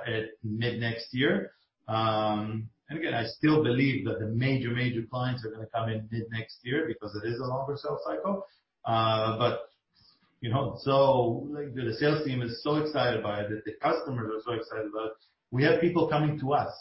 at mid next year. And again, I still believe that the major, major clients are gonna come in mid next year because it is a longer sales cycle. But, you know, so, like, the sales team is so excited by it, the customers are so excited about it. We have people coming to us.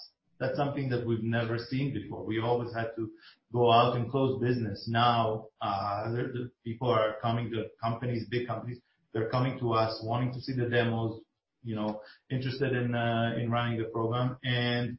That's something that we've never seen before. We've always had to go out and close business. Now, the people are coming, the companies, big companies, they're coming to us, wanting to see the demos, you know, interested in running the program. And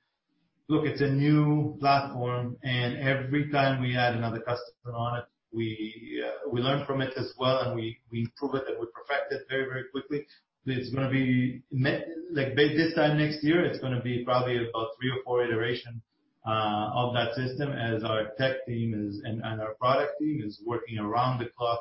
look, it's a new platform, and every time we add another customer on it, we learn from it as well, and we improve it, and we perfect it very, very quickly. It's gonna be like, by this time next year, it's gonna be probably about three or four iterations of that system as our tech team is, and our product team is working around the clock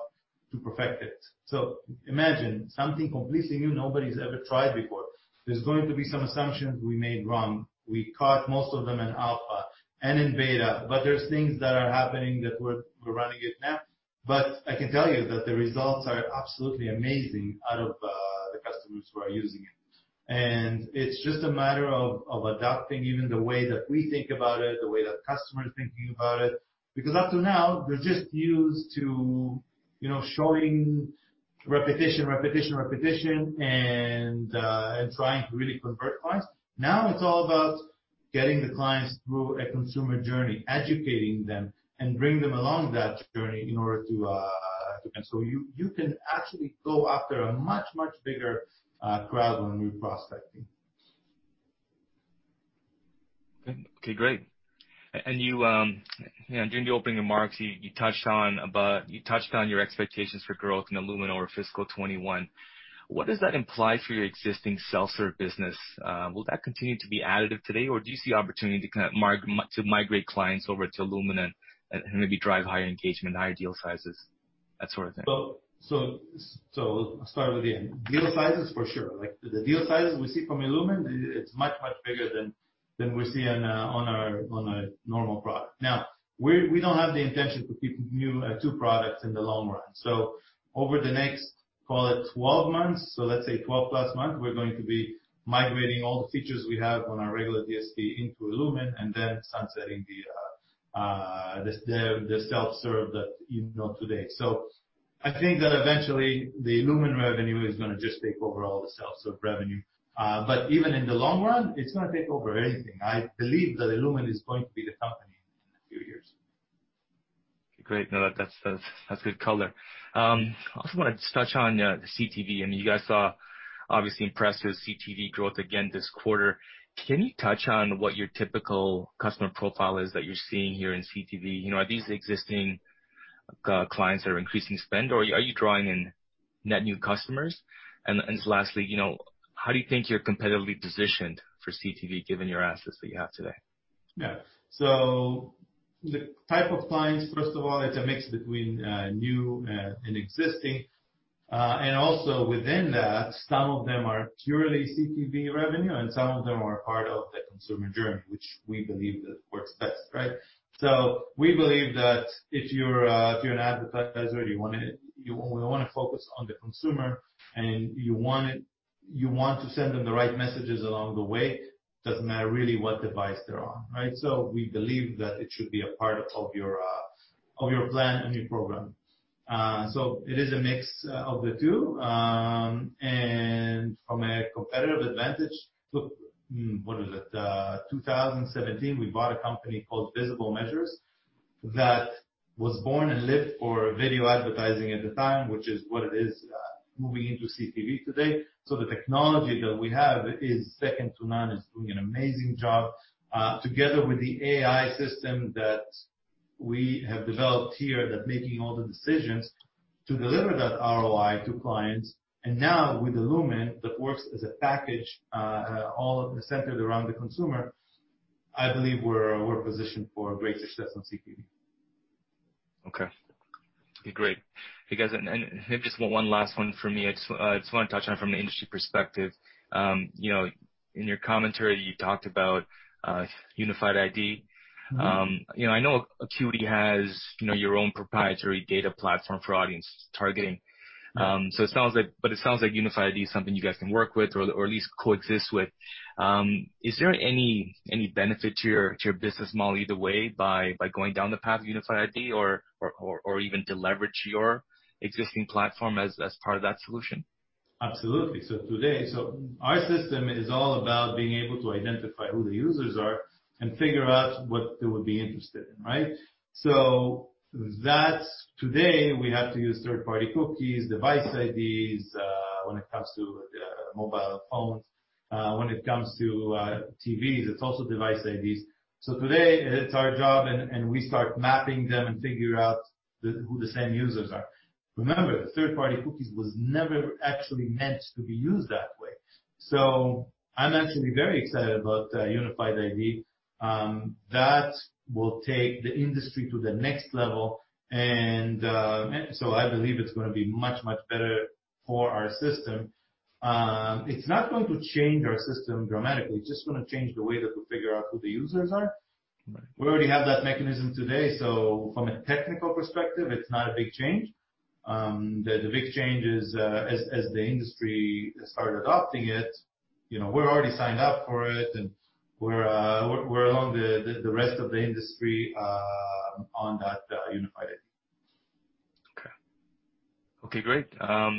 to perfect it, so imagine something completely new nobody's ever tried before. There's going to be some assumptions we made wrong. We caught most of them in alpha and in beta, but there's things that are happening that we're running it now, but I can tell you that the results are absolutely amazing out of the customers who are using it. And it's just a matter of adapting even the way that we think about it, the way that customers are thinking about it, because up to now, they're just used to, you know, showing repetition, repetition, repetition, and trying to really convert clients. Now, it's all about getting the clients through a consumer journey, educating them and bring them along that journey in order to, and so you, you can actually go after a much, much bigger crowd when you're prospecting. Okay, great. And you know, during the opening remarks, you touched on your expectations for growth in Illumin fiscal 2021. What does that imply for your existing self-serve business? Will that continue to be additive today, or do you see opportunity to kind of migrate clients over to Illumin and maybe drive higher engagement, higher deal sizes, that sort of thing? I'll start with the end. Deal sizes, for sure. Like, the deal sizes we see from Illumin, it's much, much bigger than we see on our normal product. Now, we don't have the intention to keep two products in the long run. Over the next, call it 12 months, let's say 12+ months, we're going to be migrating all the features we have on our regular DSP into Illumin, and then sunsetting the self-serve that you know today. I think that eventually the Illumin revenue is gonna just take over all the self-serve revenue, but even in the long run, it's gonna take over anything. I believe that Illumin is going to be the company in a few years. Great. No, that's good color. I also wanted to touch on the CTV. I mean, you guys saw obviously impressive CTV growth again this quarter. Can you touch on what your typical customer profile is that you're seeing here in CTV? You know, are these existing clients that are increasing spend, or are you drawing in net new customers? And lastly, you know, how do you think you're competitively positioned for CTV, given your assets that you have today? Yeah. So the type of clients, first of all, it's a mix between new and existing. And also within that, some of them are purely CTV revenue, and some of them are part of the consumer journey, which we believe that works best, right? So we believe that if you're, if you're an advertiser, you wanna, you wanna focus on the consumer, and you want it, you want to send them the right messages along the way, doesn't matter really what device they're on, right? So we believe that it should be a part of your, of your plan and your program. So it is a mix of the two. And from a competitive advantage, look, what is it? 2017, we bought a company called Visible Measures that was born and lived for video advertising at the time, which is what it is, moving into CTV today. So the technology that we have is second to none. It's doing an amazing job, together with the AI system that we have developed here, that making all the decisions to deliver that ROI to clients, and now with Illumin, that works as a package, all centered around the consumer. I believe we're positioned for great success on CTV. Okay. Great. Hey, guys, and maybe just one last one for me. I just want to touch on from an industry perspective. You know, in your commentary, you talked about Unified ID. Mm-hmm. You know, I know Acuity has, you know, your own proprietary data platform for audience targeting. So it sounds like, but it sounds like Unified ID is something you guys can work with or at least coexist with. Is there any benefit to your business model either way by going down the path of Unified ID or even to leverage your existing platform as part of that solution? Absolutely. So today our system is all about being able to identify who the users are and figure out what they would be interested in, right? So that's today, we have to use third-party cookies, device IDs, when it comes to mobile phones. When it comes to TVs, it's also device IDs. So today it's our job, and we start mapping them and figure out who the same users are. Remember, the third-party cookies was never actually meant to be used that way... So I'm actually very excited about Unified ID. That will take the industry to the next level, and so I believe it's gonna be much, much better for our system. It's not going to change our system dramatically. It's just gonna change the way that we figure out who the users are. Right. We already have that mechanism today, so from a technical perspective, it's not a big change. The big change is, as the industry start adopting it, you know, we're already signed up for it, and we're along the rest of the industry on that Unified ID. Okay. Okay, great. I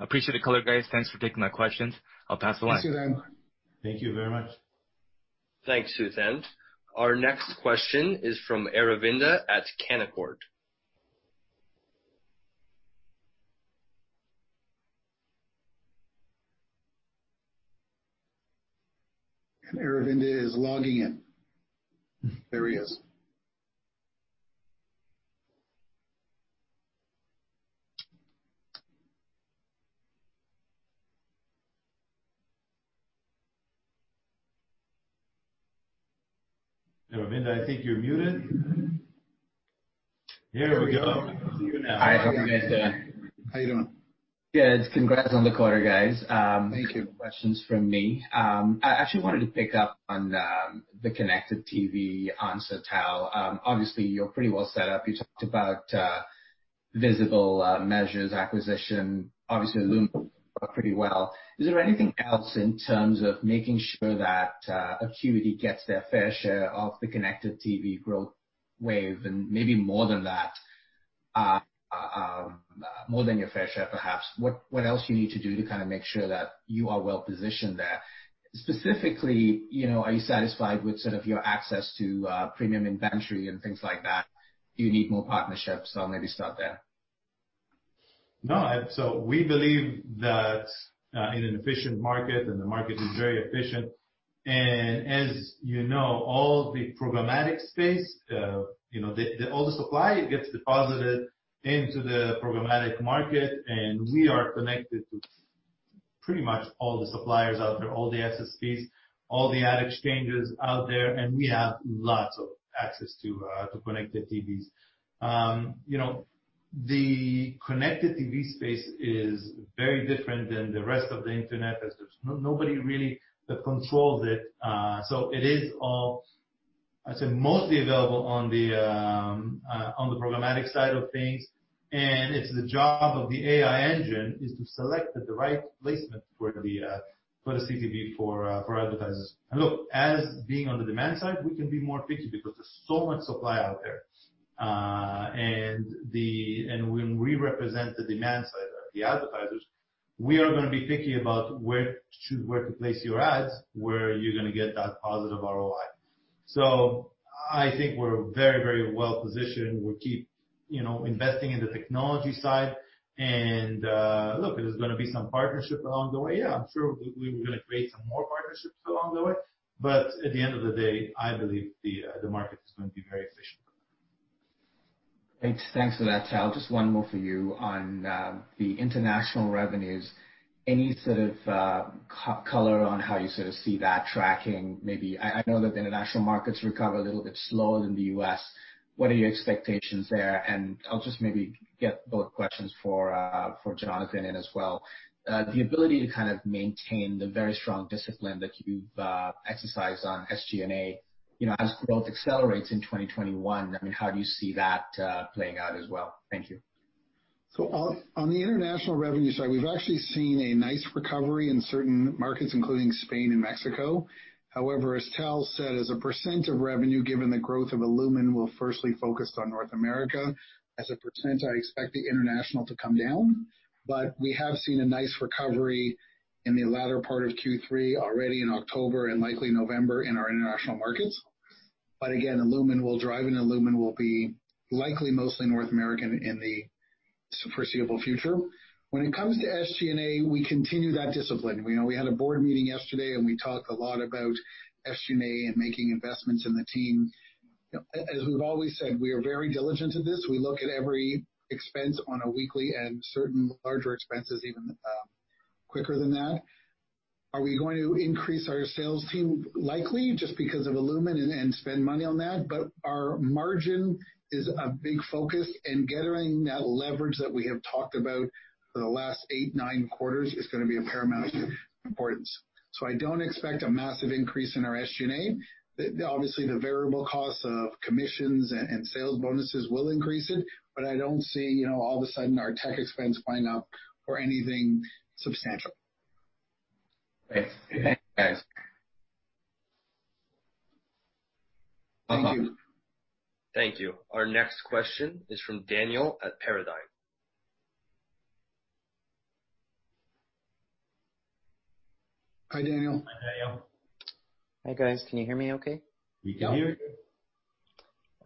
appreciate the color, guys. Thanks for taking my questions. I'll pass along. Thank you, then. Thank you very much. Thanks, Suthan. Our next question is from Aravinda at Canaccord. Aravinda is logging in. There he is. Aravinda, I think you're muted. There we go. Hi, Aravinda. How you doing? Good. Congrats on the quarter, guys. Thank you. Questions from me. I actually wanted to pick up on the Connected TV on side, Tal. Obviously, you're pretty well set up. You talked about Visible Measures acquisition. Obviously, Illumin worked pretty well. Is there anything else in terms of making sure that Acuity gets their fair share of the Connected TV growth wave, and maybe more than that, more than your fair share, perhaps? What else you need to do to kind of make sure that you are well positioned there? Specifically, you know, are you satisfied with sort of your access to premium inventory and things like that? Do you need more partnerships? I'll maybe start there. No, so we believe that in an efficient market, and the market is very efficient, and as you know, all the programmatic space, you know, all the supply gets deposited into the programmatic market, and we are connected to pretty much all the suppliers out there, all the SSPs, all the ad exchanges out there, and we have lots of access to Connected TVs. You know, the Connected TV space is very different than the rest of the internet, as there's nobody really that controls it. So it is all, I'd say, mostly available on the programmatic side of things, and it's the job of the AI engine to select the right placement for the CTV for advertisers. And look, as being on the demand side, we can be more picky because there's so much supply out there. And when we represent the demand side, the advertisers, we are gonna be thinking about where to, where to place your ads, where you're gonna get that positive ROI. So I think we're very, very well positioned. We keep, you know, investing in the technology side, and look, there's gonna be some partnership along the way. Yeah, I'm sure we, we're gonna create some more partnerships along the way, but at the end of the day, I believe the market is going to be very efficient. Great. Thanks for that, Tal. Just one more for you on the international revenues. Any sort of color on how you sort of see that tracking? Maybe I know that the international markets recover a little bit slower than the U.S. What are your expectations there? And I'll just maybe get both questions for Jonathan in as well. The ability to kind of maintain the very strong discipline that you've exercised on SG&A, you know, as growth accelerates in 2021, I mean, how do you see that playing out as well? Thank you. On the international revenue side, we've actually seen a nice recovery in certain markets, including Spain and Mexico. However, as Tal said, as a percent of revenue, given the growth of Illumin, we're firstly focused on North America. As a percent, I expect the international to come down, but we have seen a nice recovery in the latter part of Q3, already in October and likely November in our international markets. But again, Illumin will drive, and Illumin will be likely mostly North American in the foreseeable future. When it comes to SG&A, we continue that discipline. You know, we had a board meeting yesterday, and we talked a lot about SG&A and making investments in the team. As we've always said, we are very diligent to this. We look at every expense on a weekly and certain larger expenses even quicker than that. Are we going to increase our sales team? Likely, just because of Illumin, and spend money on that, but our margin is a big focus, and getting that leverage that we have talked about for the last eight, nine quarters is gonna be of paramount importance. So I don't expect a massive increase in our SG&A. Obviously, the variable costs of commissions and sales bonuses will increase it, but I don't see, you know, all of a sudden our tech expense going up or anything substantial. Great. Thanks, guys. Thank you. Thank you. Our next question is from Daniel at Paradigm. Hi, Daniel. Hi, Daniel. Hi, guys. Can you hear me okay? We can. We hear you.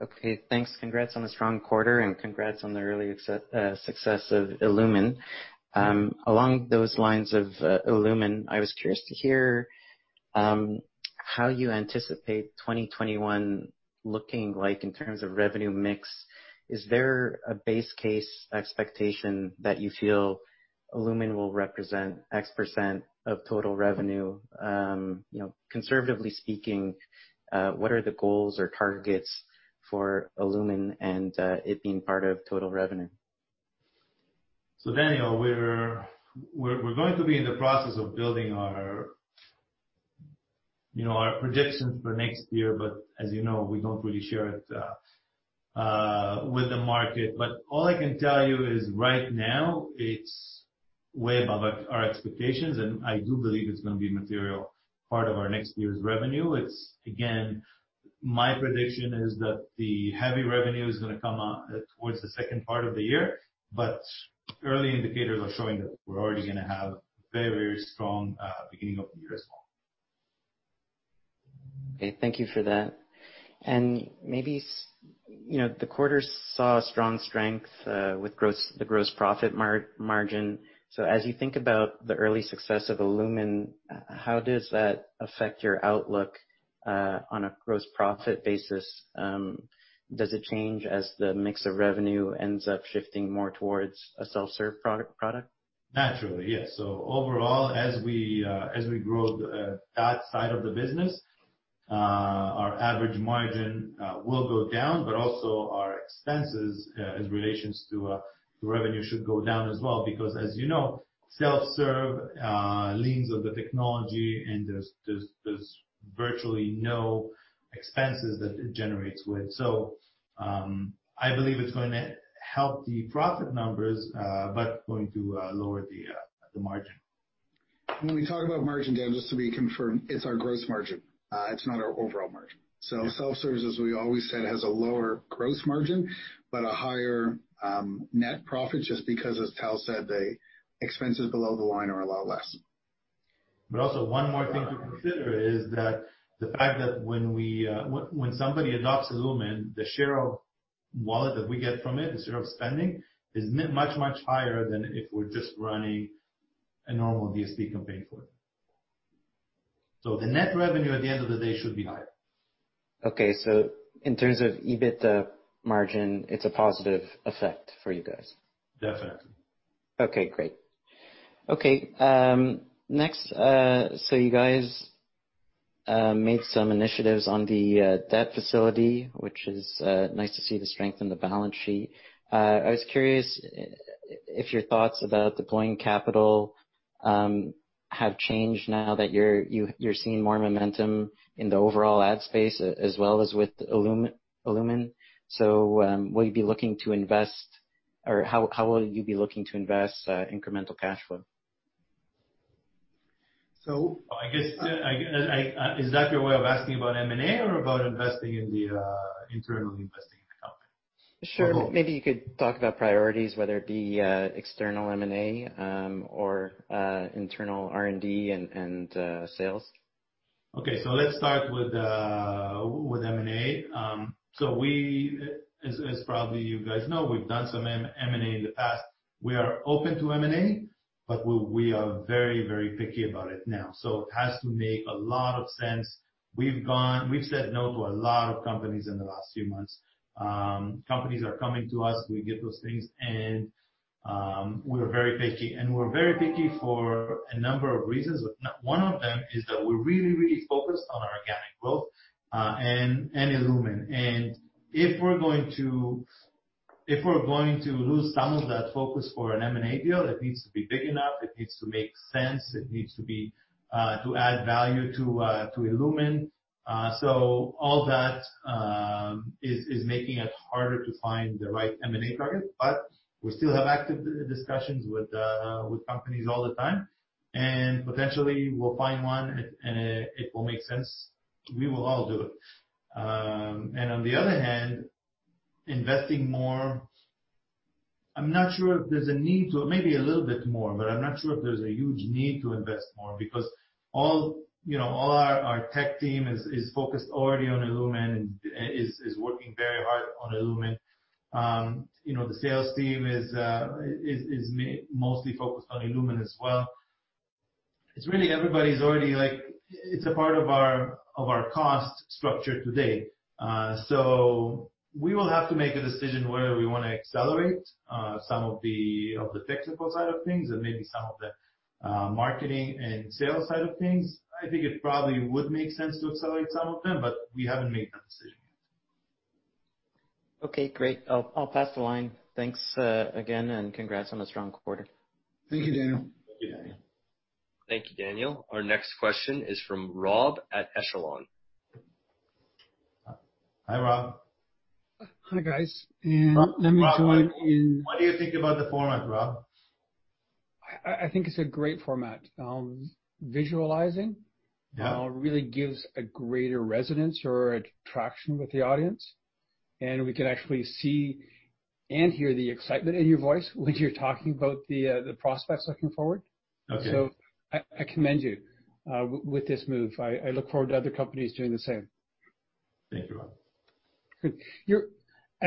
Okay, thanks. Congrats on the strong quarter, and congrats on the early success of Illumin. Along those lines of Illumin, I was curious to hear,... how you anticipate 2021 looking like in terms of revenue mix, is there a base case expectation that you feel Illumin will represent X percent of total revenue? You know, conservatively speaking, what are the goals or targets for Illumin and it being part of total revenue? So, Daniel, we're going to be in the process of building our, you know, our predictions for next year, but as you know, we don't really share it with the market. But all I can tell you is right now, it's way above our expectations, and I do believe it's gonna be a material part of our next year's revenue. It's, again, my prediction is that the heavy revenue is gonna come out towards the second part of the year, but early indicators are showing that we're already gonna have very, very strong beginning of the year as well. Okay, thank you for that. And maybe, you know, the quarter saw a strong strength with the gross profit margin. So as you think about the early success of Illumin, how does that affect your outlook on a gross profit basis? Does it change as the mix of revenue ends up shifting more towards a self-serve product? Naturally, yes. So overall, as we grow that side of the business, our average margin will go down, but also our expenses, in relation to the revenue, should go down as well. Because as you know, self-serve leans on the technology, and there's virtually no expenses that it generates with. So, I believe it's going to help the profit numbers, but going to lower the margin. When we talk about margin, Dan, just to be confirmed, it's our gross margin, it's not our overall margin. So self-service, as we always said, has a lower gross margin, but a higher, net profit, just because, as Tal said, the expenses below the line are a lot less. But also one more thing to consider is that the fact that when somebody adopts Illumin, the share of wallet that we get from it, the share of spending, is much, much higher than if we're just running a normal DSP campaign for it. So the net revenue at the end of the day should be higher. Okay, so in terms of EBITDA margin, it's a positive effect for you guys? Definitely. Okay, great. Okay, next, so you guys made some initiatives on the debt facility, which is nice to see the strength in the balance sheet. I was curious if your thoughts about deploying capital have changed now that you're seeing more momentum in the overall ad space, as well as with Illumin. So, will you be looking to invest or how will you be looking to invest incremental cash flow? So- I guess, is that your way of asking about M&A or about investing in the internal investing in the company? Sure. Maybe you could talk about priorities, whether it be external M&A or internal R&D and sales. Okay. So let's start with M&A. So we, as probably you guys know, we've done some M&A in the past. We are open to M&A, but we are very, very picky about it now. So it has to make a lot of sense. We've said no to a lot of companies in the last few months. Companies are coming to us, we get those things, and we're very picky. And we're very picky for a number of reasons. One of them is that we're really, really focused on our organic growth and Illumin. And if we're going to lose some of that focus for an M&A deal, it needs to be big enough, it needs to make sense, it needs to be to add value to Illumin. So all that is making it harder to find the right M&A target, but we still have active discussions with companies all the time, and potentially we'll find one, and it will make sense. We will all do it, and on the other hand, investing more, I'm not sure if there's a need to. Maybe a little bit more, but I'm not sure if there's a huge need to invest more. Because, you know, all our tech team is focused already on Illumin and is working very hard on Illumin. You know, the sales team is mostly focused on Illumin as well. It's really, everybody's already like, it's a part of our cost structure today. So we will have to make a decision whether we wanna accelerate some of the technical side of things and maybe some of the marketing and sales side of things. I think it probably would make sense to accelerate some of them, but we haven't made that decision yet. Okay, great. I'll pass the line. Thanks, again, and congrats on a strong quarter. Thank you, Daniel. Thank you, Daniel. Thank you, Daniel. Our next question is from Rob at Echelon. Hi, Rob. Hi, guys. And let me join in- What do you think about the format, Rob? I think it's a great format. Visualizing- Yeah... really gives a greater resonance or attraction with the audience, and we can actually see and hear the excitement in your voice when you're talking about the prospects looking forward. Okay. I commend you with this move. I look forward to other companies doing the same.... Thank you, Rob. Good.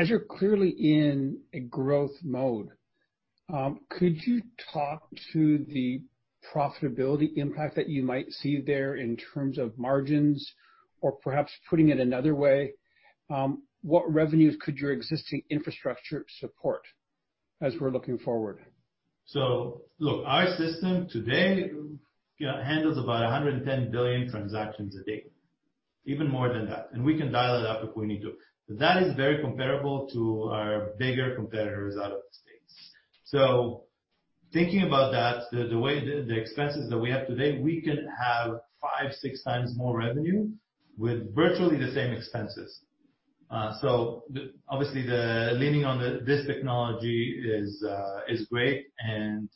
You're clearly in a growth mode. Could you talk to the profitability impact that you might see there in terms of margins? Or perhaps putting it another way, what revenues could your existing infrastructure support as we're looking forward? So look, our system today, you know, handles about 110 billion transactions a day, even more than that, and we can dial it up if we need to. That is very comparable to our bigger competitors out of the space. So thinking about that, the way the expenses that we have today, we can have 5-6x more revenue with virtually the same expenses. So obviously, the leaning on this technology is great, and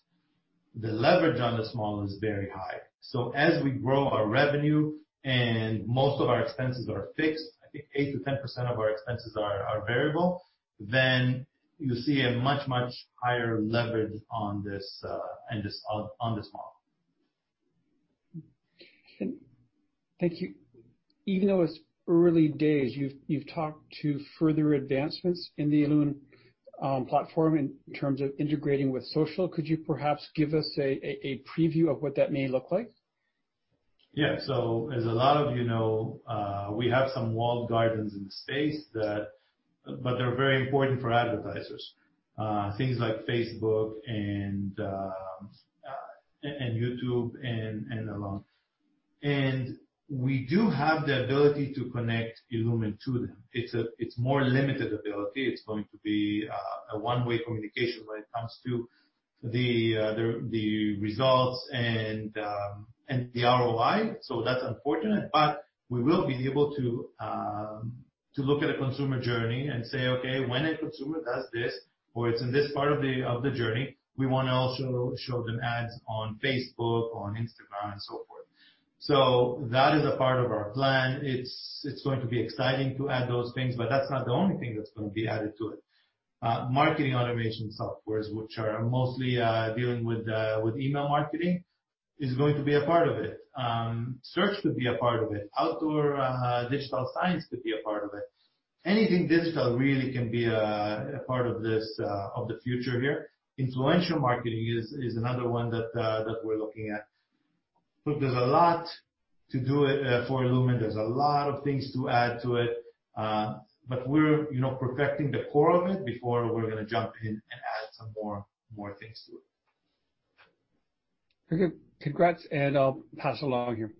the leverage on this model is very high. So as we grow our revenue and most of our expenses are fixed, I think 8% to 10% of our expenses are variable, then you see a much, much higher leverage on this model. Thank you. Even though it's early days, you've talked to further advancements in the Illumin platform in terms of integrating with social. Could you perhaps give us a preview of what that may look like? Yeah. As a lot of you know, we have some walled gardens in the space that... But they're very important for advertisers. Things like Facebook and YouTube and all. And we do have the ability to connect Illumin to them. It's a more limited ability. It's going to be a one-way communication when it comes to the results and the ROI, so that's unfortunate. But we will be able to look at a consumer journey and say, "Okay, when a consumer does this, or it's in this part of the journey, we wanna also show them ads on Facebook, on Instagram, and so forth." That is a part of our plan. It's going to be exciting to add those things, but that's not the only thing that's going to be added to it. Marketing automation softwares, which are mostly dealing with email marketing, is going to be a part of it. Search could be a part of it. Outdoor digital signs could be a part of it. Anything digital really can be a part of this of the future here. Influencer marketing is another one that we're looking at. But there's a lot to do it for Illumin. There's a lot of things to add to it, but we're, you know, perfecting the core of it before we're gonna jump in and add some more things to it. Okay, congrats, and I'll pass along here.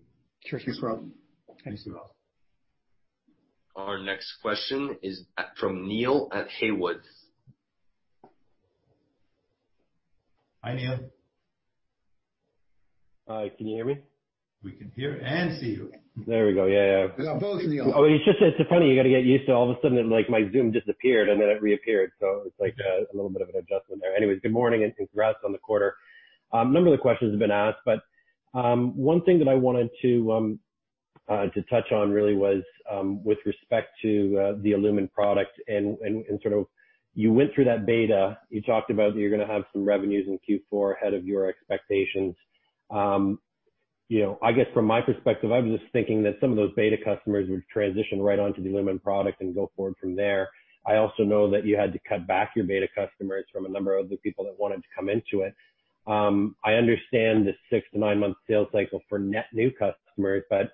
Cheers. Thanks, Rob. Thank you so much. Our next question is from Neil at Haywood. Hi, Neil. Hi, can you hear me? We can hear and see you. There we go, yeah, yeah. Now, both of you. Oh, it's just, it's funny, you got to get used to all of a sudden, like, my Zoom disappeared, and then it reappeared. So it's like a little bit of an adjustment there. Anyways, good morning and congrats on the quarter. A number of the questions have been asked, but one thing that I wanted to touch on really was with respect to the Illumin product and sort of you went through that beta. You talked about that you're gonna have some revenues in Q4 ahead of your expectations. You know, I guess from my perspective, I'm just thinking that some of those beta customers would transition right onto the Illumin product and go forward from there. I also know that you had to cut back your beta customers from a number of the people that wanted to come into it. I understand the six to nine-month sales cycle for net new customers, but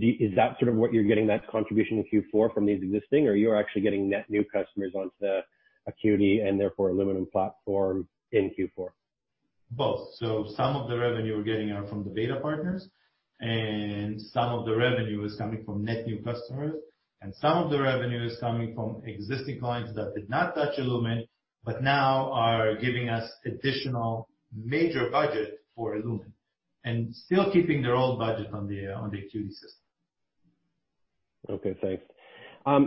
is that sort of what you're getting that contribution in Q4 from these existing, or you're actually getting net new customers onto the Acuity and therefore Illumin platform in Q4? Both. So some of the revenue we're getting are from the beta partners, and some of the revenue is coming from net new customers, and some of the revenue is coming from existing clients that did not touch Illumin, but now are giving us additional major budget for Illumin and still keeping their old budget on the, on the Acuity system. Okay, thanks.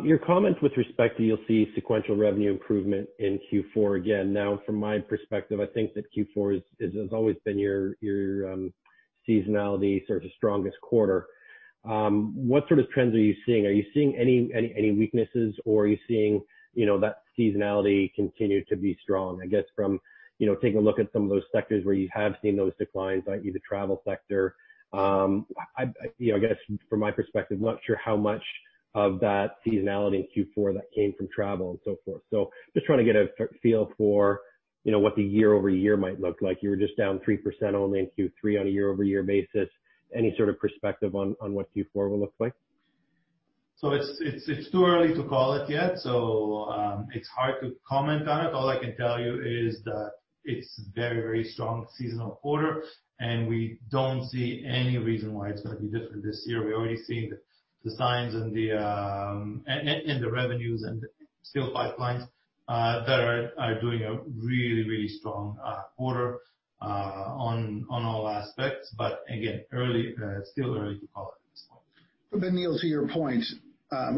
Your comment with respect to you'll see sequential revenue improvement in Q4 again. Now, from my perspective, I think that Q4 is has always been your seasonality, sort of the strongest quarter. What sort of trends are you seeing? Are you seeing any weaknesses, or are you seeing, you know, that seasonality continue to be strong? I guess from, you know, taking a look at some of those sectors where you have seen those declines, like the travel sector, I, you know, I guess from my perspective, I'm not sure how much of that seasonality in Q4 that came from travel and so forth. So just trying to get a feel for, you know, what the year- over-year might look like. You were just down 3% only in Q3 on a year-over-year basis. Any sort of perspective on what Q4 will look like? So it's too early to call it yet, so it's hard to comment on it. All I can tell you is that it's very, very strong seasonal quarter, and we don't see any reason why it's gonna be different this year. We're already seeing the signs and the revenues and strong pipelines that are doing a really, really strong quarter on all aspects. But again, it's still early to call it at this point. But Neil, to your point,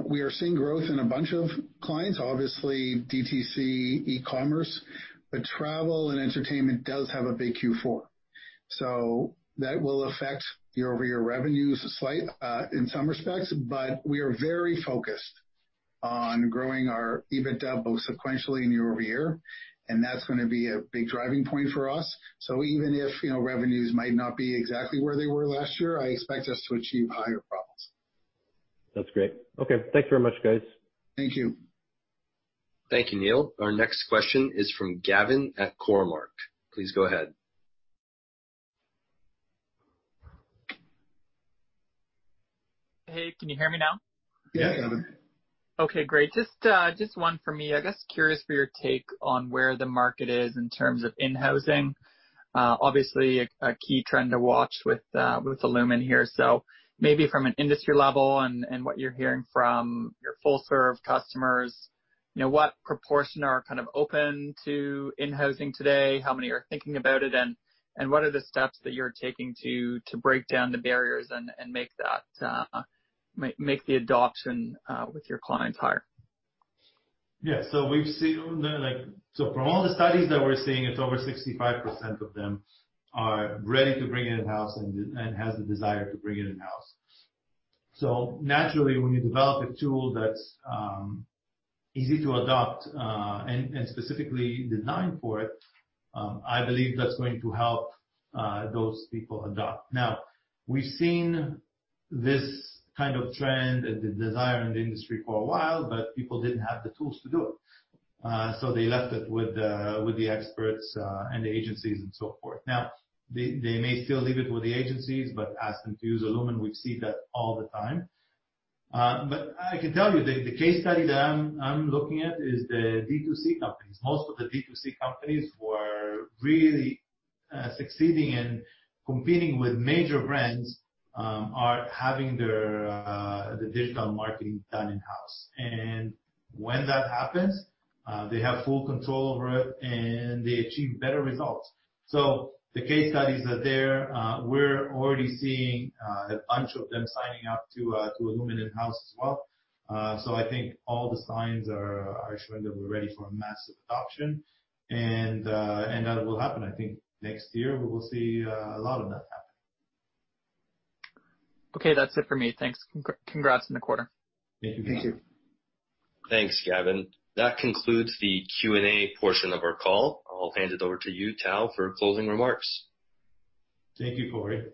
we are seeing growth in a bunch of clients, obviously DTC, e-commerce, but travel and entertainment does have a big Q4. So that will affect your year-over-year revenues slightly, in some respects, but we are very focused.... on growing our EBITDA both sequentially and year-over-year, and that's gonna be a big driving point for us. So even if, you know, revenues might not be exactly where they were last year, I expect us to achieve higher profits. That's great. Okay, thanks very much, guys. Thank you. Thank you, Neil. Our next question is from Gavin at Cormark. Please go ahead. Hey, can you hear me now? Yeah, Gavin. Okay, great. Just one for me. I guess curious for your take on where the market is in terms of in-housing. Obviously a key trend to watch with Illumin here. So maybe from an industry level and what you're hearing from your full-serve customers, you know, what proportion are kind of open to in-housing today? How many are thinking about it, and what are the steps that you're taking to break down the barriers and make the adoption with your clients higher? Yeah, so we've seen, like. So from all the studies that we're seeing, it's over 65% of them are ready to bring in-house and has the desire to bring in-house. So naturally, when you develop a tool that's easy to adopt and specifically designed for it, I believe that's going to help those people adopt. Now, we've seen this kind of trend and the desire in the industry for a while, but people didn't have the tools to do it. So they left it with the experts and the agencies and so forth. Now, they may still leave it with the agencies, but ask them to use Illumin. We see that all the time. But I can tell you, the case study that I'm looking at is the D2C companies. Most of the D2C companies who are really succeeding in competing with major brands are having their digital marketing done in-house. And when that happens, they have full control over it, and they achieve better results. So the case studies are there. We're already seeing a bunch of them signing up to Illumin in-house as well. So I think all the signs are showing that we're ready for a massive adoption, and that will happen. I think next year, we will see a lot of that happen. Okay, that's it for me. Thanks. Congrats on the quarter. Thank you. Thank you. Thanks, Gavin. That concludes the Q&A portion of our call. I'll hand it over to you, Tal, for closing remarks. Thank you, Corey.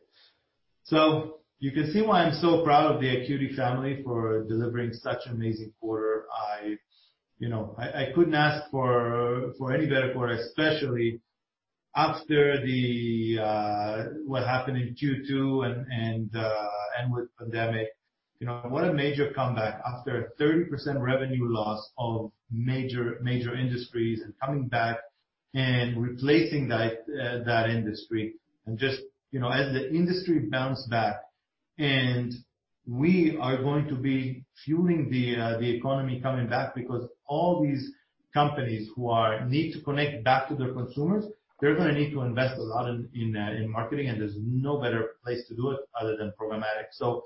So you can see why I'm so proud of the Acuity family for delivering such an amazing quarter. I you know couldn't ask for any better quarter, especially after what happened in Q2 and with pandemic. You know, what a major comeback after a 30% revenue loss of major industries, and coming back and replacing that industry. And just you know, as the industry bounced back, and we are going to be fueling the economy coming back because all these companies who need to connect back to their consumers, they're gonna need to invest a lot in marketing, and there's no better place to do it other than programmatic. So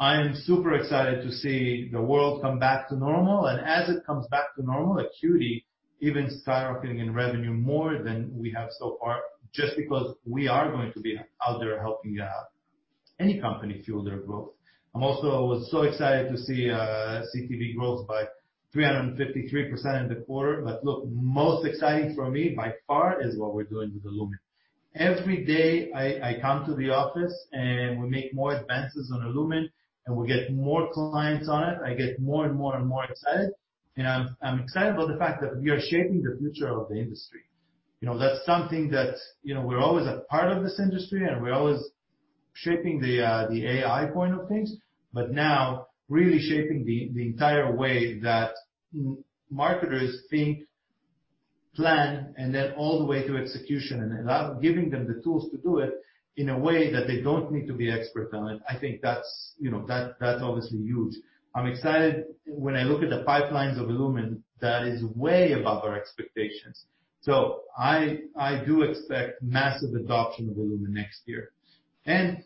I am super excited to see the world come back to normal, and as it comes back to normal, Acuity even skyrocketing in revenue more than we have so far, just because we are going to be out there helping any company fuel their growth. I'm also was so excited to see CTV growth by 353% in the quarter. But look, most exciting for me, by far, is what we're doing with Illumin. Every day, I come to the office, and we make more advances on Illumin, and we get more clients on it. I get more and more and more excited, and I'm excited about the fact that we are shaping the future of the industry. You know, that's something that, you know, we're always a part of this industry, and we're always shaping the AI point of things, but now really shaping the entire way that marketers think, plan, and then all the way to execution, and giving them the tools to do it in a way that they don't need to be expert on it. I think that's, you know, that, that's obviously huge. I'm excited when I look at the pipelines of Illumin, that is way above our expectations. So I do expect massive adoption of Illumin next year. And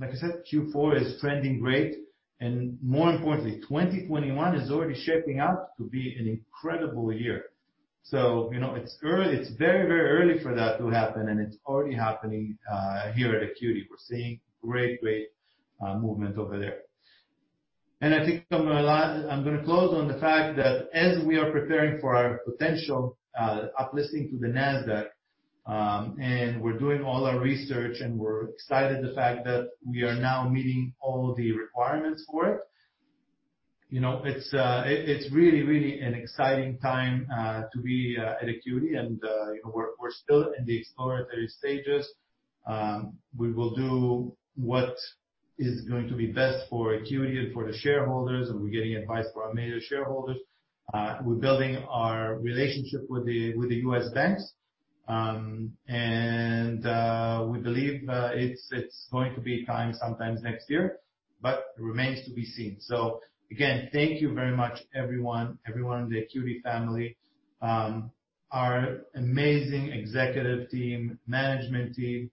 like I said, Q4 is trending great, and more importantly, 2021 is already shaping out to be an incredible year. So, you know, it's early. It's very, very early for that to happen, and it's already happening here at Acuity. We're seeing great, great movement over there. And I think I'm gonna close on the fact that as we are preparing for our potential uplisting to the Nasdaq, and we're doing all our research, and we're excited the fact that we are now meeting all the requirements for it, you know, it's, it, it's really, really an exciting time to be at Acuity, and, you know, we're, we're still in the exploratory stages. We will do what is going to be best for Acuity and for the shareholders, and we're getting advice from our major shareholders. We're building our relationship with the, with the U.S. banks. And we believe, it's, it's going to be time sometimes next year, but it remains to be seen. So again, thank you very much, everyone in the Acuity family, our amazing executive team, management team,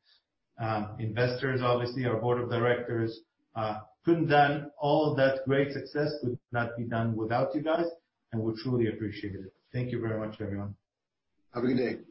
investors, obviously our board of directors. All of that great success could not be done without you guys, and we truly appreciate it. Thank you very much, everyone. Have a good day.